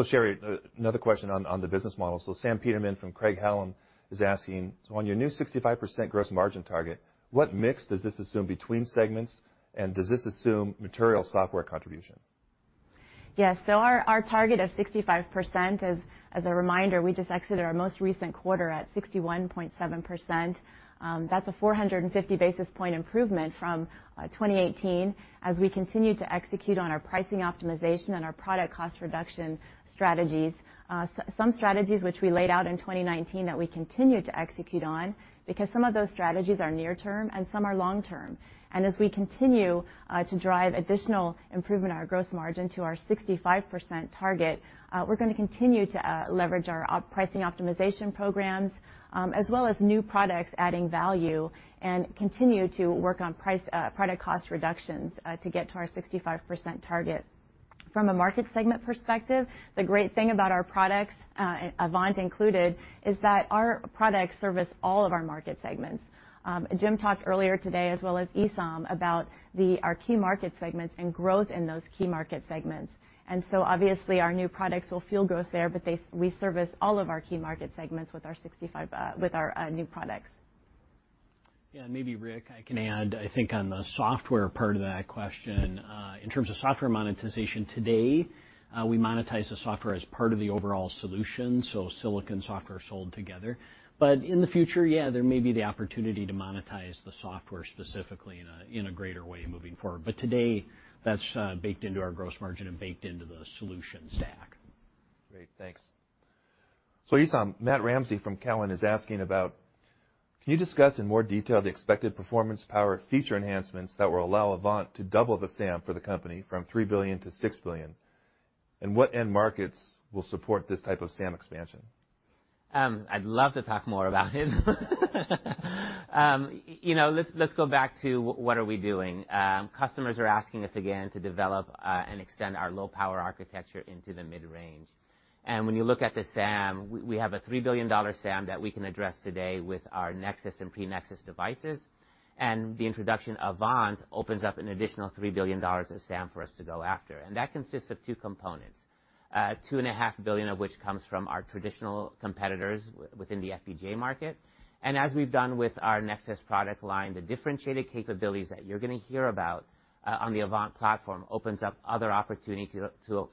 Speaker 1: Sherri, another question on the business model. Sam Peterman from Craig-Hallum is asking, "So on your new 65% gross margin target, what mix does this assume between segments, and does this assume material software contribution?
Speaker 5: Yes. Our target of 65%, as a reminder, we just exited our most recent quarter at 61.7%. That's a 450 basis point improvement from 2018 as we continue to execute on our pricing optimization and our product cost reduction strategies. Some strategies which we laid out in 2019 that we continue to execute on, because some of those strategies are near term and some are long term. And as we continue to drive additional improvement in our gross margin to our 65% target, we're going to continue to leverage our pricing optimization programs, as well as new products adding value, and continue to work on product cost reductions to get to our 65% target. From a market segment perspective, the great thing about our products, Avant included, is that our products service all of our market segments. Jim talked earlier today, as well as Esam, about our key market segments and growth in those key market segments. Obviously our new products will fuel growth there, but we service all of our key market segments with our new products.
Speaker 2: Yeah, maybe Rick, I can add, I think on the software part of that question. In terms of software monetization today, we monetize the software as part of the overall solution, so silicon software is sold together. In the future, yeah, there may be the opportunity to monetize the software specifically in a greater way moving forward. Today, that's baked into our gross margin and baked into the solution stack.
Speaker 1: Great, thanks. Esam, Matt Ramsay from Cowen is asking about, "Can you discuss in more detail the expected performance, power, feature enhancements that will allow Avant to double the SAM for the company from $3 billion to $6 billion? What end markets will support this type of SAM expansion?
Speaker 4: I'd love to talk more about it. Let's go back to what are we doing. Customers are asking us again to develop and extend our low power architecture into the mid-range. When you look at the SAM, we have a $3 billion SAM that we can address today with our Nexus and pre-Nexus devices. The introduction of Avant opens up an additional $3 billion of SAM for us to go after. That consists of two components. $2.5 billion of which comes from our traditional competitors within the FPGA market. As we've done with our Nexus product line, the differentiated capabilities that you're going to hear about on the Avant platform opens up other opportunity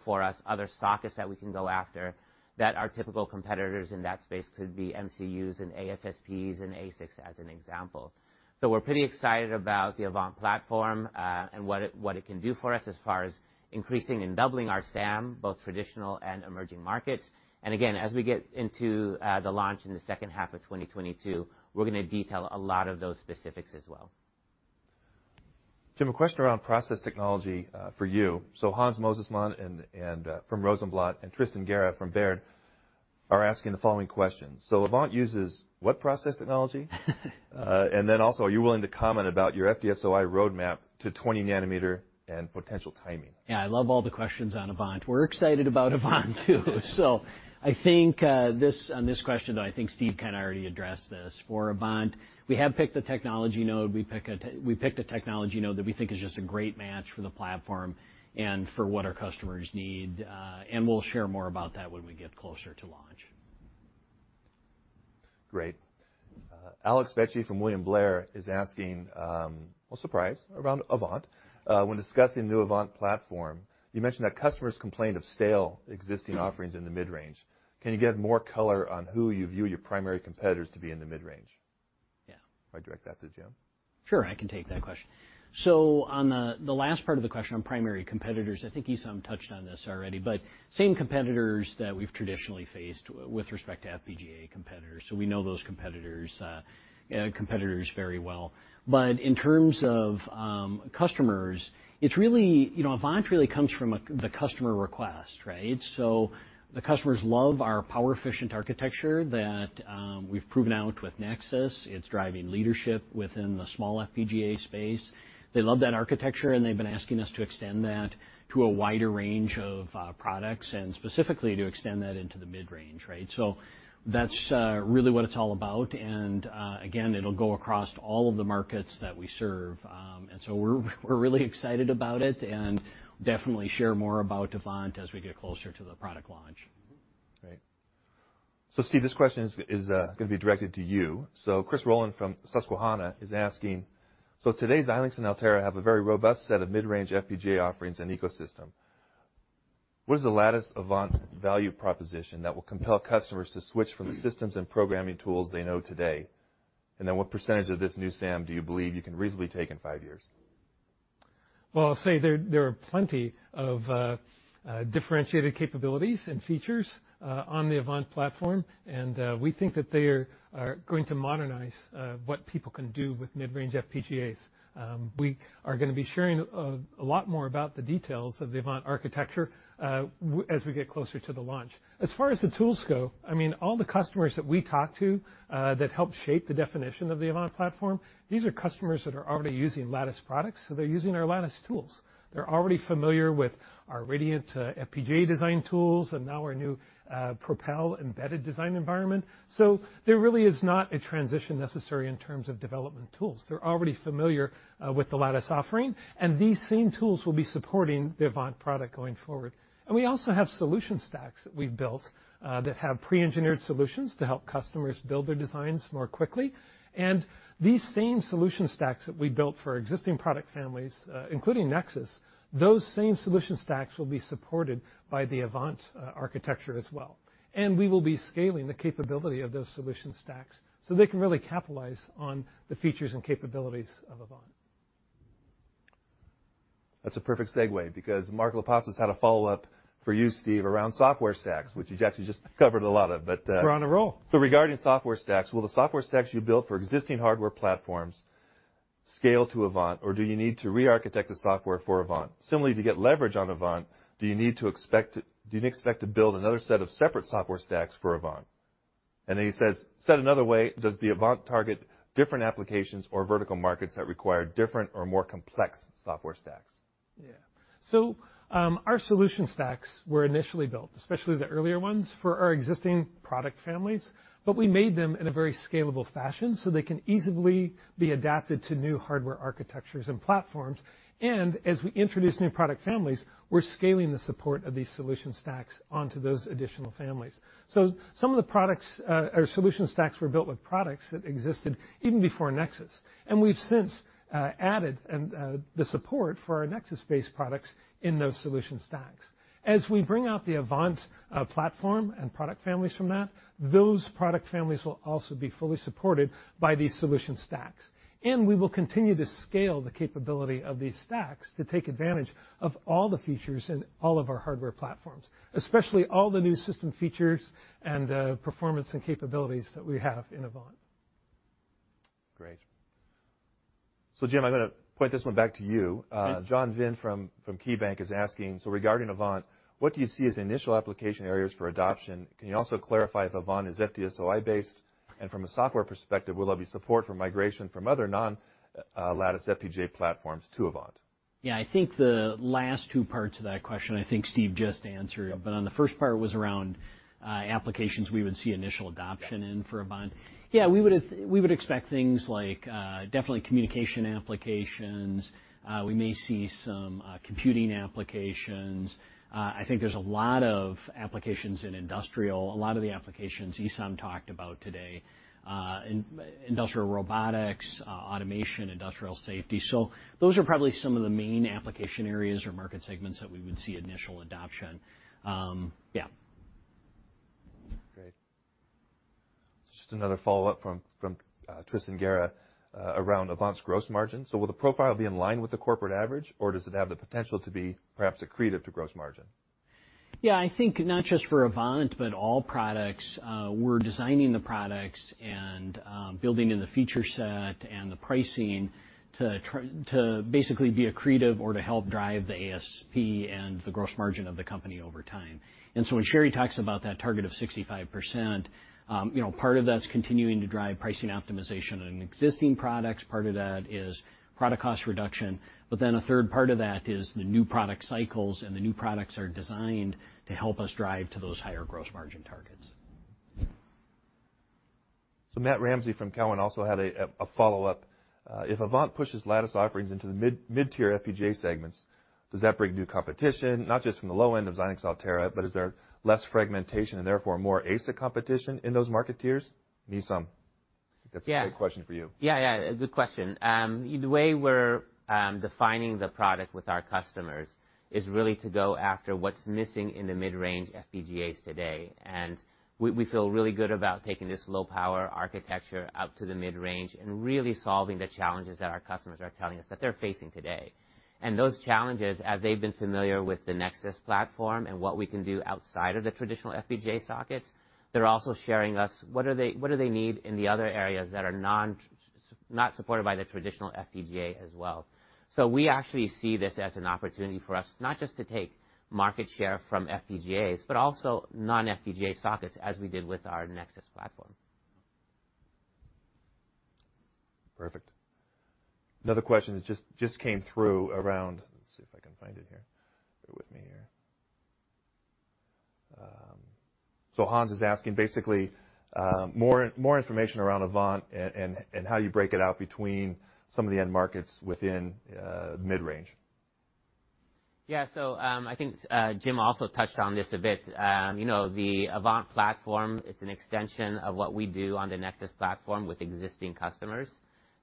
Speaker 4: for us, other sockets that we can go after, that our typical competitors in that space could be MCUs and ASSPs and ASICs, as an example. We're pretty excited about the Avant platform, and what it can do for us as far as increasing and doubling our SAM, both traditional and emerging markets. Again, as we get into the launch in the second half of 2022, we're going to detail a lot of those specifics as well.
Speaker 1: Jim, a question around process technology for you. Hans Mosesmann from Rosenblatt and Tristan Gerra from Baird are asking the following questions. Avant uses what process technology? Also, are you willing to comment about your FD-SOI roadmap to 20 nm and potential timing?
Speaker 2: Yeah, I love all the questions on Avant. We're excited about Avant, too. I think on this question, though, I think Steve kind of already addressed this. For Avant, we have picked a technology node. We picked a technology node that we think is just a great match for the platform and for what our customers need. We'll share more about that when we get closer to launch.
Speaker 1: Great. Alex Vecchi from William Blair is asking, well surprise, around Avant. When discussing new Avant platform, you mentioned that customers complained of stale existing offerings in the mid-range. Can you give more color on who you view your primary competitors to be in the mid-range?
Speaker 2: Yeah.
Speaker 1: I direct that to Jim.
Speaker 2: Sure, I can take that question. On the last part of the question on primary competitors, I think Esam touched on this already, but same competitors that we've traditionally faced with respect to FPGA competitors, so we know those competitors very well. In terms of customers, Avant really comes from the customer request, right? The customers love our power efficient architecture that we've proven out with Nexus. It's driving leadership within the small FPGA space. They love that architecture, and they've been asking us to extend that to a wider range of products, and specifically to extend that into the mid-range, right? That's really what it's all about, and again, it'll go across all of the markets that we serve. We're really excited about it and definitely share more about Avant as we get closer to the product launch.
Speaker 1: Great. Steve, this question is going to be directed to you. Chris Rolland from Susquehanna is asking, "Today's Xilinx and Altera have a very robust set of mid-range FPGA offerings and ecosystem. What is the Lattice Avant value proposition that will compel customers to switch from the systems and programming tools they know today? What percentage of this new SAM do you believe you can reasonably take in five years?
Speaker 3: Well, I'll say there are plenty of differentiated capabilities and features on the Avant platform. We think that they are going to modernize what people can do with mid-range FPGAs. We are going to be sharing a lot more about the details of the Avant architecture as we get closer to the launch. As far as the tools go, all the customers that we talk to, that help shape the definition of the Avant platform, these are customers that are already using Lattice products, so they're using our Lattice tools. They're already familiar with our Radiant FPGA design tools and now our new Propel embedded design environment. There really is not a transition necessary in terms of development tools. They're already familiar with the Lattice offering. These same tools will be supporting the Avant product going forward. We also have solution stacks that we've built that have pre-engineered solutions to help customers build their designs more quickly. These same solution stacks that we built for existing product families, including Lattice Nexus, those same solution stacks will be supported by the Lattice Avant architecture as well. We will be scaling the capability of those solution stacks so they can really capitalize on the features and capabilities of Lattice Avant.
Speaker 1: That's a perfect segue because Mark Lipacis has had a follow-up for you, Steve, around software stacks, which you've actually just covered a lot of.
Speaker 3: We're on a roll.
Speaker 1: Regarding software stacks, will the software stacks you built for existing hardware platforms scale to Avant, or do you need to rearchitect the software for Avant? Similarly, to get leverage on Avant, do you need to expect to build another set of separate software stacks for Avant? He says, "Said another way, does the Avant target different applications or vertical markets that require different or more complex software stacks?
Speaker 3: Our solution stacks were initially built, especially the earlier ones, for our existing product families, but we made them in a very scalable fashion so they can easily be adapted to new hardware architectures and platforms. As we introduce new product families, we're scaling the support of these solution stacks onto those additional families. Some of the solution stacks were built with products that existed even before Nexus, and we've since added the support for our Nexus-based products in those solution stacks. As we bring out the Avant platform and product families from that, those product families will also be fully supported by these solution stacks. We will continue to scale the capability of these stacks to take advantage of all the features in all of our hardware platforms, especially all the new system features and performance and capabilities that we have in Avant.
Speaker 1: Great. Jim, I'm going to point this one back to you.
Speaker 2: Sure.
Speaker 1: John Vinh from KeyBanc is asking, "Regarding Avant, what do you see as initial application areas for adoption? Can you also clarify if Avant is FD-SOI based? From a software perspective, will there be support for migration from other non-Lattice FPGA platforms to Avant?
Speaker 2: Yeah, I think the last two parts of that question, I think Steve just answered, but on the first part was around applications we would see initial adoption in for Lattice Avant. Yeah, we would expect things like definitely communication applications. We may see some computing applications. I think there's a lot of applications in industrial, a lot of the applications Esam talked about today, industrial robotics, automation, industrial safety. Those are probably some of the main application areas or market segments that we would see initial adoption. Yeah.
Speaker 1: Great. Just another follow-up from Tristan Gerra around Avant's gross margin. Will the profile be in line with the corporate average, or does it have the potential to be perhaps accretive to gross margin?
Speaker 2: Yeah, I think not just for Lattice Avant, but all products, we're designing the products and building in the feature set and the pricing to basically be accretive or to help drive the ASP and the gross margin of the company over time. When Sherri talks about that target of 65%, part of that's continuing to drive pricing optimization in existing products. Part of that is product cost reduction, but then a third part of that is the new product cycles, and the new products are designed to help us drive to those higher gross margin targets.
Speaker 1: Matt Ramsay from Cowen also had a follow-up. If Avant pushes Lattice offerings into the mid-tier FPGA segments, does that bring new competition, not just from the low end of Xilinx/Altera, but is there less fragmentation and therefore more ASIC competition in those market tiers? Esam, that's a good question for you.
Speaker 4: Yeah. Good question. The way we're defining the product with our customers is really to go after what's missing in the mid-range FPGAs today. We feel really good about taking this low-power architecture up to the mid-range and really solving the challenges that our customers are telling us that they're facing today. Those challenges, as they've been familiar with the Nexus platform and what we can do outside of the traditional FPGA sockets, they're also sharing us what do they need in the other areas that are not supported by the traditional FPGA as well. We actually see this as an opportunity for us, not just to take market share from FPGAs, but also non-FPGA sockets as we did with our Nexus platform.
Speaker 1: Perfect. Another question that just came through around Let's see if I can find it here. Bear with me here. Hans is asking basically, more information around Avant and how you break it out between some of the end markets within mid-range.
Speaker 4: Yeah. I think Jim also touched on this a bit. The Lattice Avant platform is an extension of what we do on the Lattice Nexus platform with existing customers.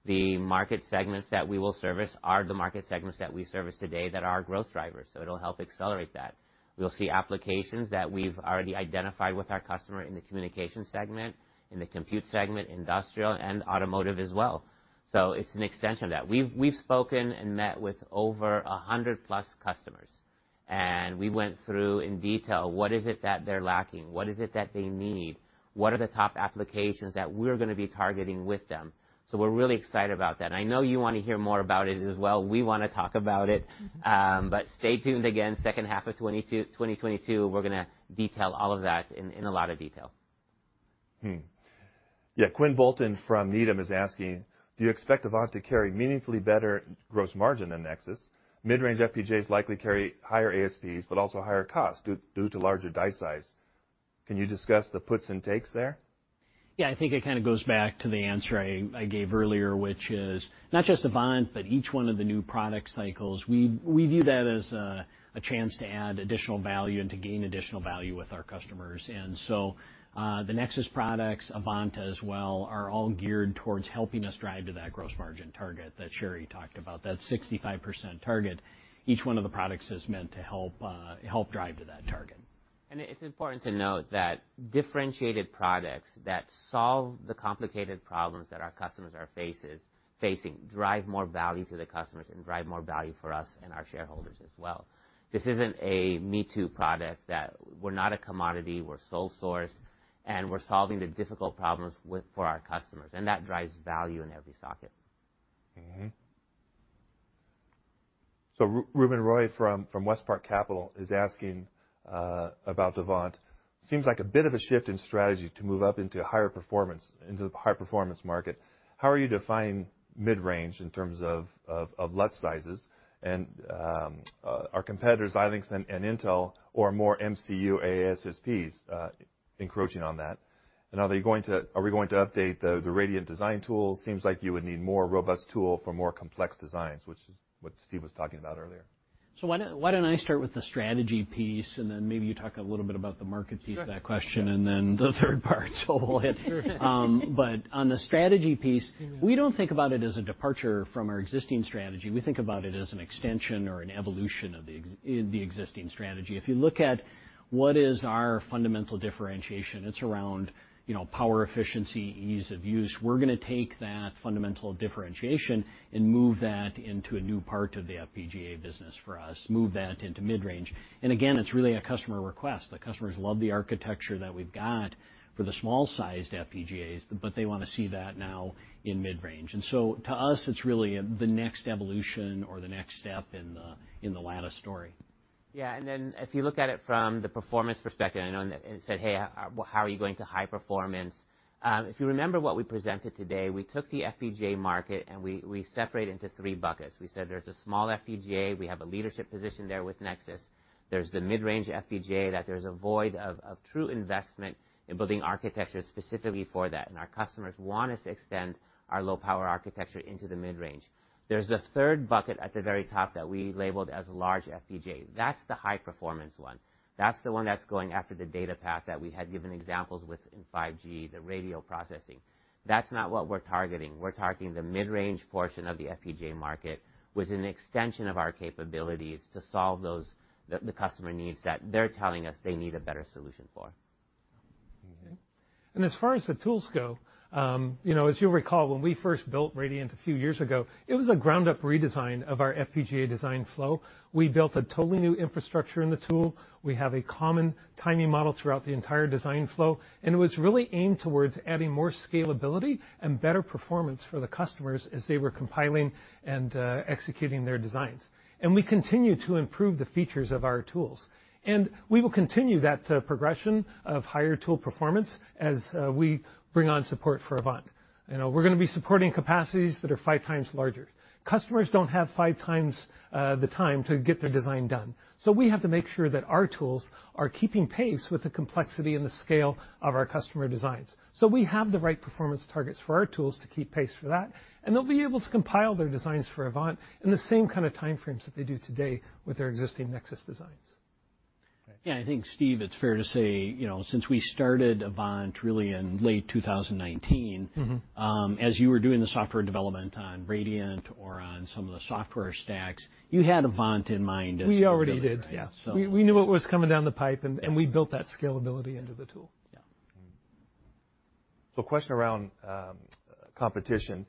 Speaker 4: The market segments that we will service are the market segments that we service today that are our growth drivers. It'll help accelerate that. We'll see applications that we've already identified with our customer in the communication segment, in the compute segment, industrial, and automotive as well. It's an extension of that. We've spoken and met with over 100+ customers, and we went through in detail, what is it that they're lacking? What is it that they need? What are the top applications that we're going to be targeting with them? We're really excited about that. I know you want to hear more about it as well. We want to talk about it. Stay tuned again, second half of 2022, we're going to detail all of that in a lot of detail.
Speaker 1: Yeah. Quinn Bolton from Needham is asking, do you expect Avant to carry meaningfully better gross margin than Nexus? Mid-range FPGAs likely carry higher ASPs, but also higher cost due to larger die size. Can you discuss the puts and takes there?
Speaker 2: Yeah, I think it kind of goes back to the answer I gave earlier, which is not just Avant, but each one of the new product cycles, we view that as a chance to add additional value and to gain additional value with our customers. The Nexus products, Avant as well, are all geared towards helping us drive to that gross margin target that Sherri talked about, that 65% target. Each one of the products is meant to help drive to that target.
Speaker 4: It's important to note that differentiated products that solve the complicated problems that our customers are facing drive more value to the customers and drive more value for us and our shareholders as well. This isn't a me-too product that we're not a commodity, we're sole source, and we're solving the difficult problems for our customers, and that drives value in every socket.
Speaker 1: Ruben Roy from WestPark Capital is asking about Avant. Seems like a bit of a shift in strategy to move up into the high-performance market. How are you defining mid-range in terms of LUT sizes? Are competitors Xilinx and Intel or more MCU ASSPs encroaching on that? Are we going to update the Radiant design tool? Seems like you would need more robust tool for more complex designs, which is what Steve was talking about earlier.
Speaker 2: Why don't I start with the strategy piece, and then maybe you talk a little bit about the market piece of that question, and then the third part, so we'll hit.
Speaker 1: Sure.
Speaker 2: On the strategy piece, we don't think about it as a departure from our existing strategy. We think about it as an extension or an evolution of the existing strategy. If you look at what is our fundamental differentiation, it's around power efficiency, ease of use. We're going to take that fundamental differentiation and move that into a new part of the FPGA business for us, move that into mid-range. Again, it's really a customer request. The customers love the architecture that we've got for the small-sized FPGAs, but they want to see that now in mid-range. To us, it's really the next evolution or the next step in the Lattice story.
Speaker 4: If you look at it from the performance perspective, I know it said, "Hey, how are you going to high performance?" If you remember what we presented today, we took the FPGA market, and we separate it into three buckets. We said there's a small FPGA. We have a leadership position there with Nexus. There's the mid-range FPGA, that there's a void of true investment in building architecture specifically for that, and our customers want us to extend our low-power architecture into the mid-range. There's a third bucket at the very top that we labeled as large FPGA. That's the high-performance one. That's the one that's going after the data path that we had given examples with in 5G, the radio processing. That's not what we're targeting. We're targeting the mid-range portion of the FPGA market with an extension of our capabilities to solve the customer needs that they're telling us they need a better solution for.
Speaker 1: Okay.
Speaker 3: As far as the tools go, as you'll recall, when we first built Lattice Radiant a few years ago, it was a ground-up redesign of our FPGA design flow. We built a totally new infrastructure in the tool. We have a common timing model throughout the entire design flow, and it was really aimed towards adding more scalability and better performance for the customers as they were compiling and executing their designs. We continue to improve the features of our tools. We will continue that progression of higher tool performance as we bring on support for Lattice Avant. We're going to be supporting capacities that are 5x larger. Customers don't have 5x the time to get their design done. We have to make sure that our tools are keeping pace with the complexity and the scale of our customer designs. We have the right performance targets for our tools to keep pace for that, and they'll be able to compile their designs for Avant in the same kind of time frames that they do today with their existing Nexus designs.
Speaker 2: Yeah, I think, Steve, it's fair to say, since we started Avant really in late 2019. As you were doing the software development on Radiant or on some of the software stacks, you had Avant in mind as you were doing it, right?
Speaker 3: We already did, yeah. We knew it was coming down the pipe. We built that scalability into the tool.
Speaker 2: Yeah.
Speaker 1: A question around competition.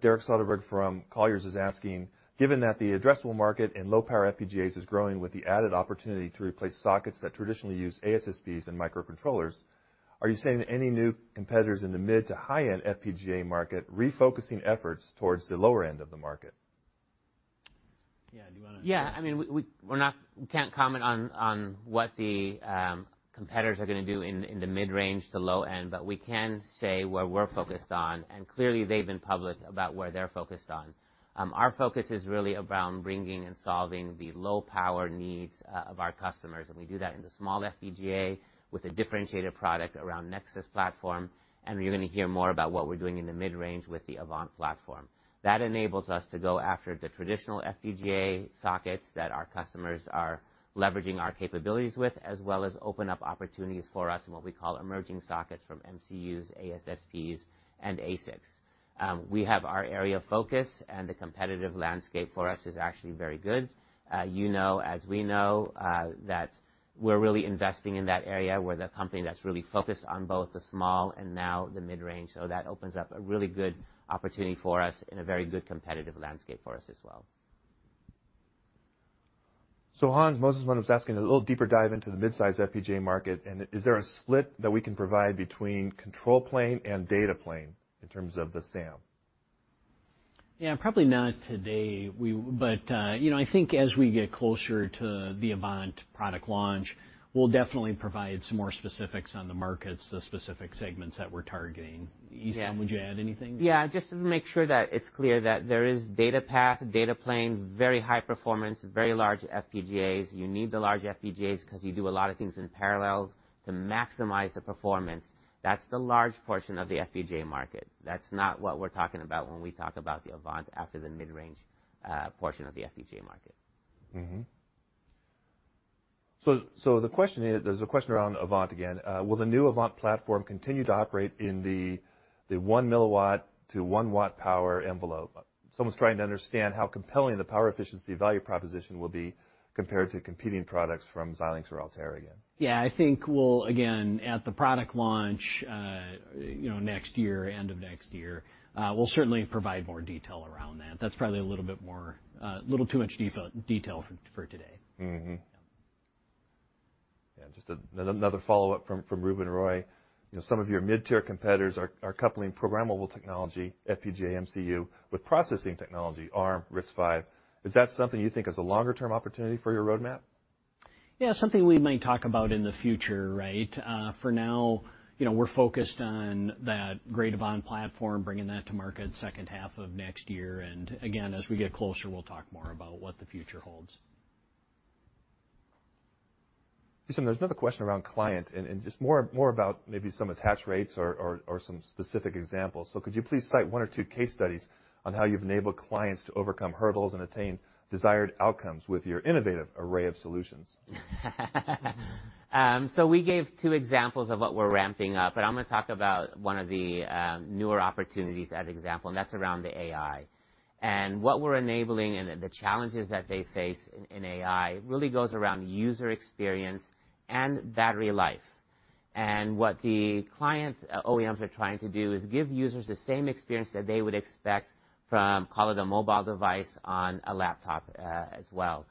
Speaker 1: Derek Soderberg from Colliers is asking, "Given that the addressable market in low-power FPGAs is growing with the added opportunity to replace sockets that traditionally use ASSPs and microcontrollers, are you seeing any new competitors in the mid to high-end FPGA market refocusing efforts towards the lower end of the market?
Speaker 2: Yeah.
Speaker 4: We can't comment on what the competitors are going to do in the mid-range to low-end, but we can say what we're focused on, and clearly, they've been public about where they're focused on. Our focus is really around bringing and solving the low-power needs of our customers, and we do that in the small FPGA with a differentiated product around Lattice Nexus, and you're going to hear more about what we're doing in the mid-range with the Lattice Avant. That enables us to go after the traditional FPGA sockets that our customers are leveraging our capabilities with, as well as open up opportunities for us in what we call emerging sockets from MCU, ASSP, and ASIC. We have our area of focus and the competitive landscape for us is actually very good. You know, as we know, that we're really investing in that area. We're the company that's really focused on both the small and now the mid-range, so that opens up a really good opportunity for us and a very good competitive landscape for us as well.
Speaker 1: Hans Mosesmann was asking a little deeper dive into the midsize FPGA market, and is there a split that we can provide between control plane and data plane in terms of the SAM?
Speaker 2: Probably not today, but I think as we get closer to the Avant product launch, we'll definitely provide some more specifics on the markets, the specific segments that we're targeting. Esam.
Speaker 4: Yeah
Speaker 2: would you add anything?
Speaker 4: Yeah, just to make sure that it's clear that there is data path, data plane, very high performance, very large FPGAs. You need the large FPGAs because you do a lot of things in parallel to maximize the performance. That's the large portion of the FPGA market. That's not what we're talking about when we talk about the Avant after the mid-range portion of the FPGA market.
Speaker 1: There's a question around Avant again. Will the new Avant platform continue to operate in the 1 mW to 1 W power envelope? Someone's trying to understand how compelling the power efficiency value proposition will be compared to competing products from Xilinx or Altera again.
Speaker 2: Yeah, I think we'll, again, at the product launch next year, end of next year, we'll certainly provide more detail around that. That's probably a little too much detail for today.
Speaker 1: Yeah, just another follow-up from Ruben Roy. Some of your mid-tier competitors are coupling programmable technology, FPGA, MCU, with processing technology, Arm, RISC-V. Is that something you think is a longer-term opportunity for your roadmap?
Speaker 2: Yeah, something we might talk about in the future, right? For now, we're focused on that great Avant platform, bringing that to market second half of next year. Again, as we get closer, we'll talk more about what the future holds.
Speaker 1: Esam, there's another question around client and just more about maybe some attach rates or some specific examples. Could you please cite one or two case studies on how you've enabled clients to overcome hurdles and attain desired outcomes with your innovative array of solutions?
Speaker 4: We gave two examples of what we're ramping up, but I'm going to talk about one of the newer opportunities as example, and that's around the AI. What we're enabling and the challenges that they face in AI really goes around user experience and battery life. What the clients, OEMs are trying to do is give users the same experience that they would expect from call it a mobile device on a laptop as well.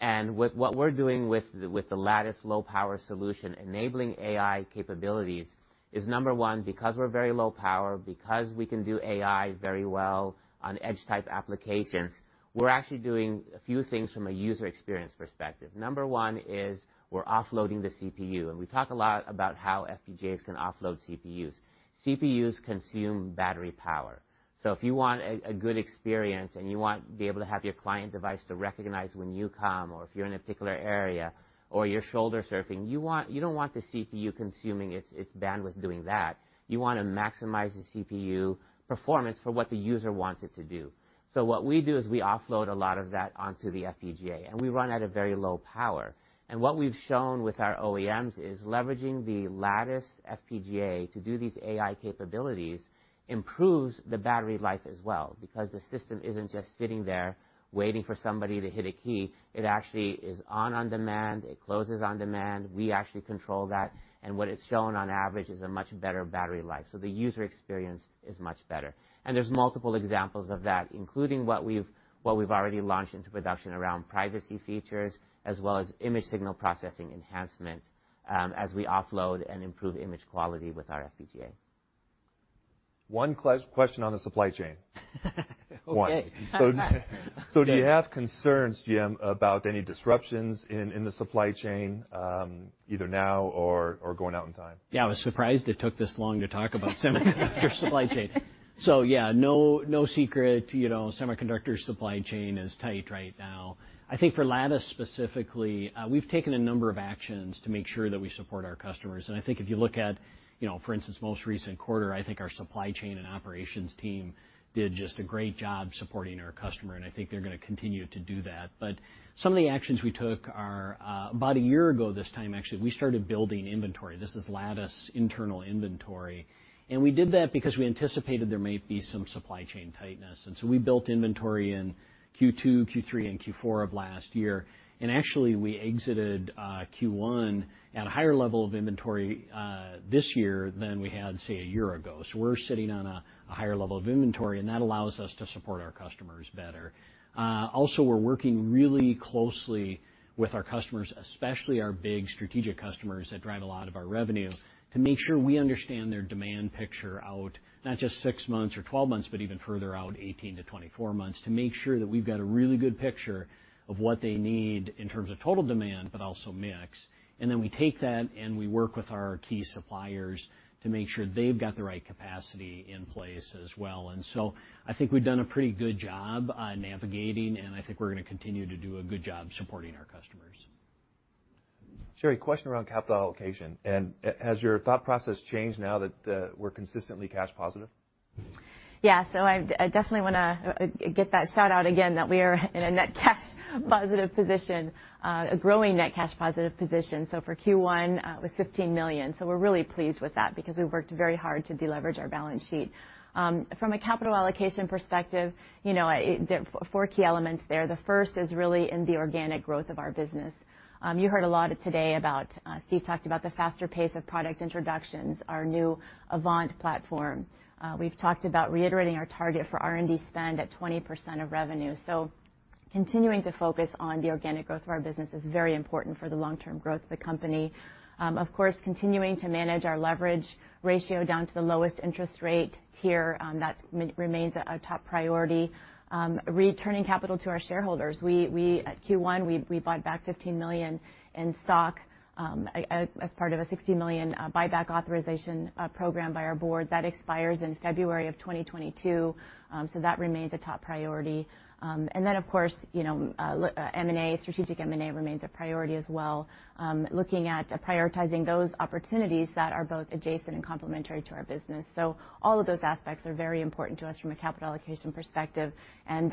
Speaker 4: What we're doing with the Lattice low-power solution enabling AI capabilities is number one, because we're very low power, because we can do AI very well on edge-type applications, we're actually doing a few things from a user experience perspective. Number one is we're offloading the CPU, and we talk a lot about how FPGAs can offload CPUs. CPUs consume battery power. If you want a good experience and you want to be able to have your client device to recognize when you come or if you're in a particular area or you're shoulder surfing, you don't want the CPU consuming its bandwidth doing that. You want to maximize the CPU performance for what the user wants it to do. What we do is we offload a lot of that onto the FPGA, and we run at a very low power. What we've shown with our OEMs is leveraging the Lattice FPGA to do these AI capabilities improves the battery life as well because the system isn't just sitting there waiting for somebody to hit a key. It actually is on demand. It closes on demand. We actually control that. What it's shown on average is a much better battery life. The user experience is much better. There's multiple examples of that, including what we've already launched into production around privacy features, as well as image signal processing enhancement as we offload and improve image quality with our FPGA.
Speaker 1: One question on the supply chain.
Speaker 2: Okay.
Speaker 1: One. Do you have concerns, Jim, about any disruptions in the supply chain either now or going out in time?
Speaker 2: Yeah, I was surprised it took this long to talk about semiconductor supply chain. No secret, semiconductor supply chain is tight right now. I think for Lattice specifically, we've taken a number of actions to make sure that we support our customers. I think if you look at, for instance, most recent quarter, I think our supply chain and operations team did just a great job supporting our customer, and I think they're going to continue to do that. Some of the actions we took are about a year ago this time, actually, we started building inventory. This is Lattice internal inventory. We did that because we anticipated there might be some supply chain tightness. We built inventory in Q2, Q3, and Q4 of last year. Actually, we exited Q1 at a higher level of inventory this year than we had, say, a year ago. We're sitting on a higher level of inventory, and that allows us to support our customers better. Also, we're working really closely with our customers, especially our big strategic customers that drive a lot of our revenue, to make sure we understand their demand picture out, not just six months or 12 months, but even further out 18-24 months, to make sure that we've got a really good picture of what they need in terms of total demand, but also mix. Then we take that and we work with our key suppliers to make sure they've got the right capacity in place as well. I think we've done a pretty good job on navigating, and I think we're going to continue to do a good job supporting our customers.
Speaker 1: Sherri, question around capital allocation. Has your thought process changed now that we're consistently cash positive?
Speaker 5: Yeah. I definitely want to get that shout-out again that we are in a net cash positive position, a growing net cash positive position. For Q1, it was $15 million. We're really pleased with that because we've worked very hard to deleverage our balance sheet. From a capital allocation perspective, there are four key elements there. The first is really in the organic growth of our business. You heard a lot today about, Steve talked about the faster pace of product introductions, our new Avant platform. We've talked about reiterating our target for R&D spend at 20% of revenue. Continuing to focus on the organic growth of our business is very important for the long-term growth of the company. Of course, continuing to manage our leverage ratio down to the lowest interest rate tier, that remains a top priority. Returning capital to our shareholders. At Q1, we bought back $15 million in stock as part of a $60 million buyback authorization program by our board. That expires in February of 2022. That remains a top priority. Of course, M&A, strategic M&A remains a priority as well looking at prioritizing those opportunities that are both adjacent and complementary to our business. All of those aspects are very important to us from a capital allocation perspective. As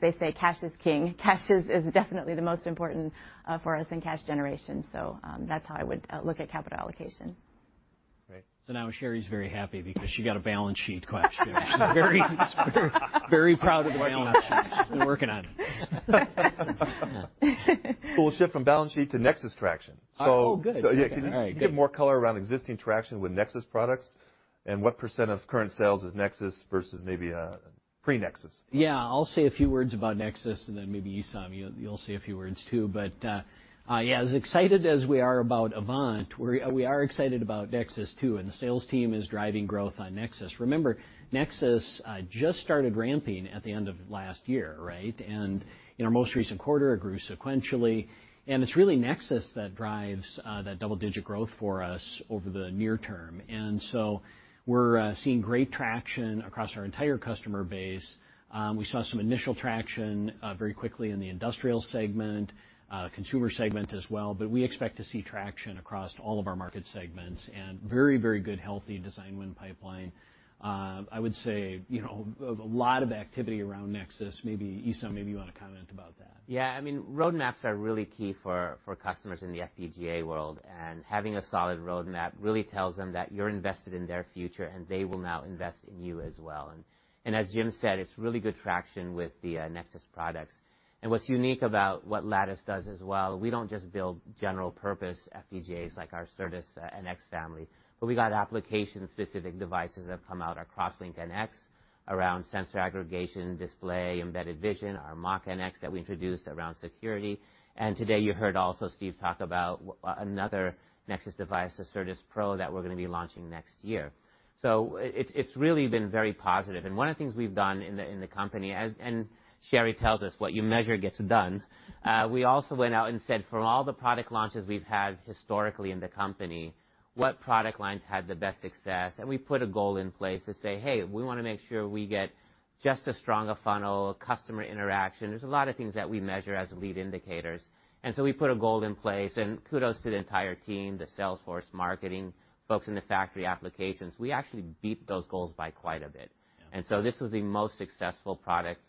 Speaker 5: they say, cash is king. Cash is definitely the most important for us in cash generation. That's how I would look at capital allocation.
Speaker 2: Great. Now Sherri's very happy because she got a balance sheet question. She's very proud of the balance sheets. We're working on it.
Speaker 1: Cool. We'll shift from balance sheet to Nexus traction.
Speaker 2: Oh, cool. Good. Okay. All right.
Speaker 1: Can you give more color around existing traction with Nexus products, and what percentage of current sales is Nexus versus maybe pre-Nexus?
Speaker 2: Yeah. I'll say a few words about Nexus and then maybe, Esam, you'll say a few words, too. Yeah, as excited as we are about Avant, we are excited about Nexus, too, and the sales team is driving growth on Nexus. Remember, Nexus just started ramping at the end of last year, right? In our most recent quarter, it grew sequentially, and it's really Nexus that drives that double-digit growth for us over the near term. We're seeing great traction across our entire customer base. We saw some initial traction very quickly in the industrial segment, consumer segment as well. We expect to see traction across all of our market segments and very good, healthy design win pipeline. I would say, a lot of activity around Nexus. Maybe, Esam, you want to comment about that?
Speaker 4: Yeah. Roadmaps are really key for customers in the FPGA world. Having a solid roadmap really tells them that you're invested in their future, and they will now invest in you as well. As Jim said, it's really good traction with the Nexus products. What's unique about what Lattice does as well, we don't just build general-purpose FPGAs like our Certus-NX family. We got application-specific devices that have come out, our CrossLink-NX around sensor aggregation, display, embedded vision, our Mach-NX that we introduced around security. Today, you heard also Steve talk about another Nexus device, the CertusPro-NX, that we're going to be launching next year. It's really been very positive, and one of the things we've done in the company, and Sherri tells us what you measure gets done, we also went out and said, for all the product launches we've had historically in the company, what product lines had the best success? We put a goal in place to say, "Hey, we want to make sure we get just as strong a funnel, customer interaction." There's a lot of things that we measure as lead indicators. We put a goal in place, and kudos to the entire team, the sales force, marketing, folks in the factory, applications. We actually beat those goals by quite a bit.
Speaker 2: Yeah.
Speaker 4: This was the most successful product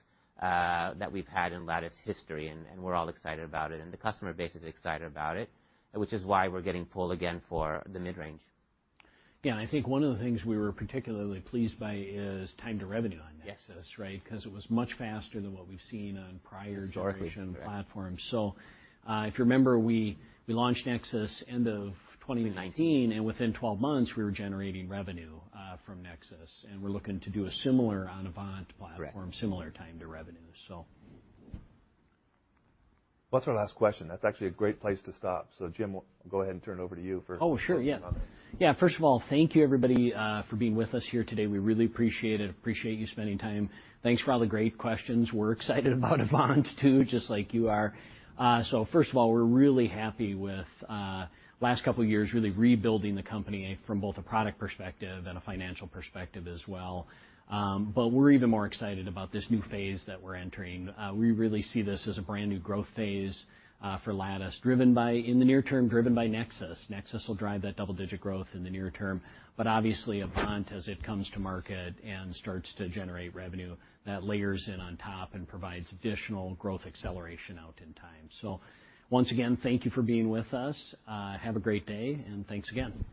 Speaker 4: that we've had in Lattice history, and we're all excited about it, and the customer base is excited about it, which is why we're getting pulled again for the mid-range.
Speaker 2: Yeah, I think one of the things we were particularly pleased by is time to revenue on Nexus-
Speaker 4: Yes...
Speaker 2: right? Because it was much faster than what we've seen on prior generations-
Speaker 4: Historically, correct....
Speaker 2: platforms. If you remember, we launched Nexus end of 2019, and within 12 months, we were generating revenue from Nexus, and we're looking to do a similar on Avant platform-
Speaker 4: Correct...
Speaker 2: similar time to revenue.
Speaker 1: Well, that's our last question. That's actually a great place to stop. Jim, we'll go ahead and turn it over to you for any final comments.
Speaker 2: Oh, sure. Yeah. First of all, thank you, everybody, for being with us here today. We really appreciate it, appreciate you spending time. Thanks for all the great questions. We're excited about Avant too, just like you are. First of all, we're really happy with last couple years, really rebuilding the company from both a product perspective and a financial perspective as well. We're even more excited about this new phase that we're entering. We really see this as a brand-new growth phase for Lattice in the near term, driven by Nexus. Nexus will drive that double-digit growth in the near term, obviously, Avant, as it comes to market and starts to generate revenue, that layers in on top and provides additional growth acceleration out in time. Once again, thank you for being with us. Have a great day, thanks again.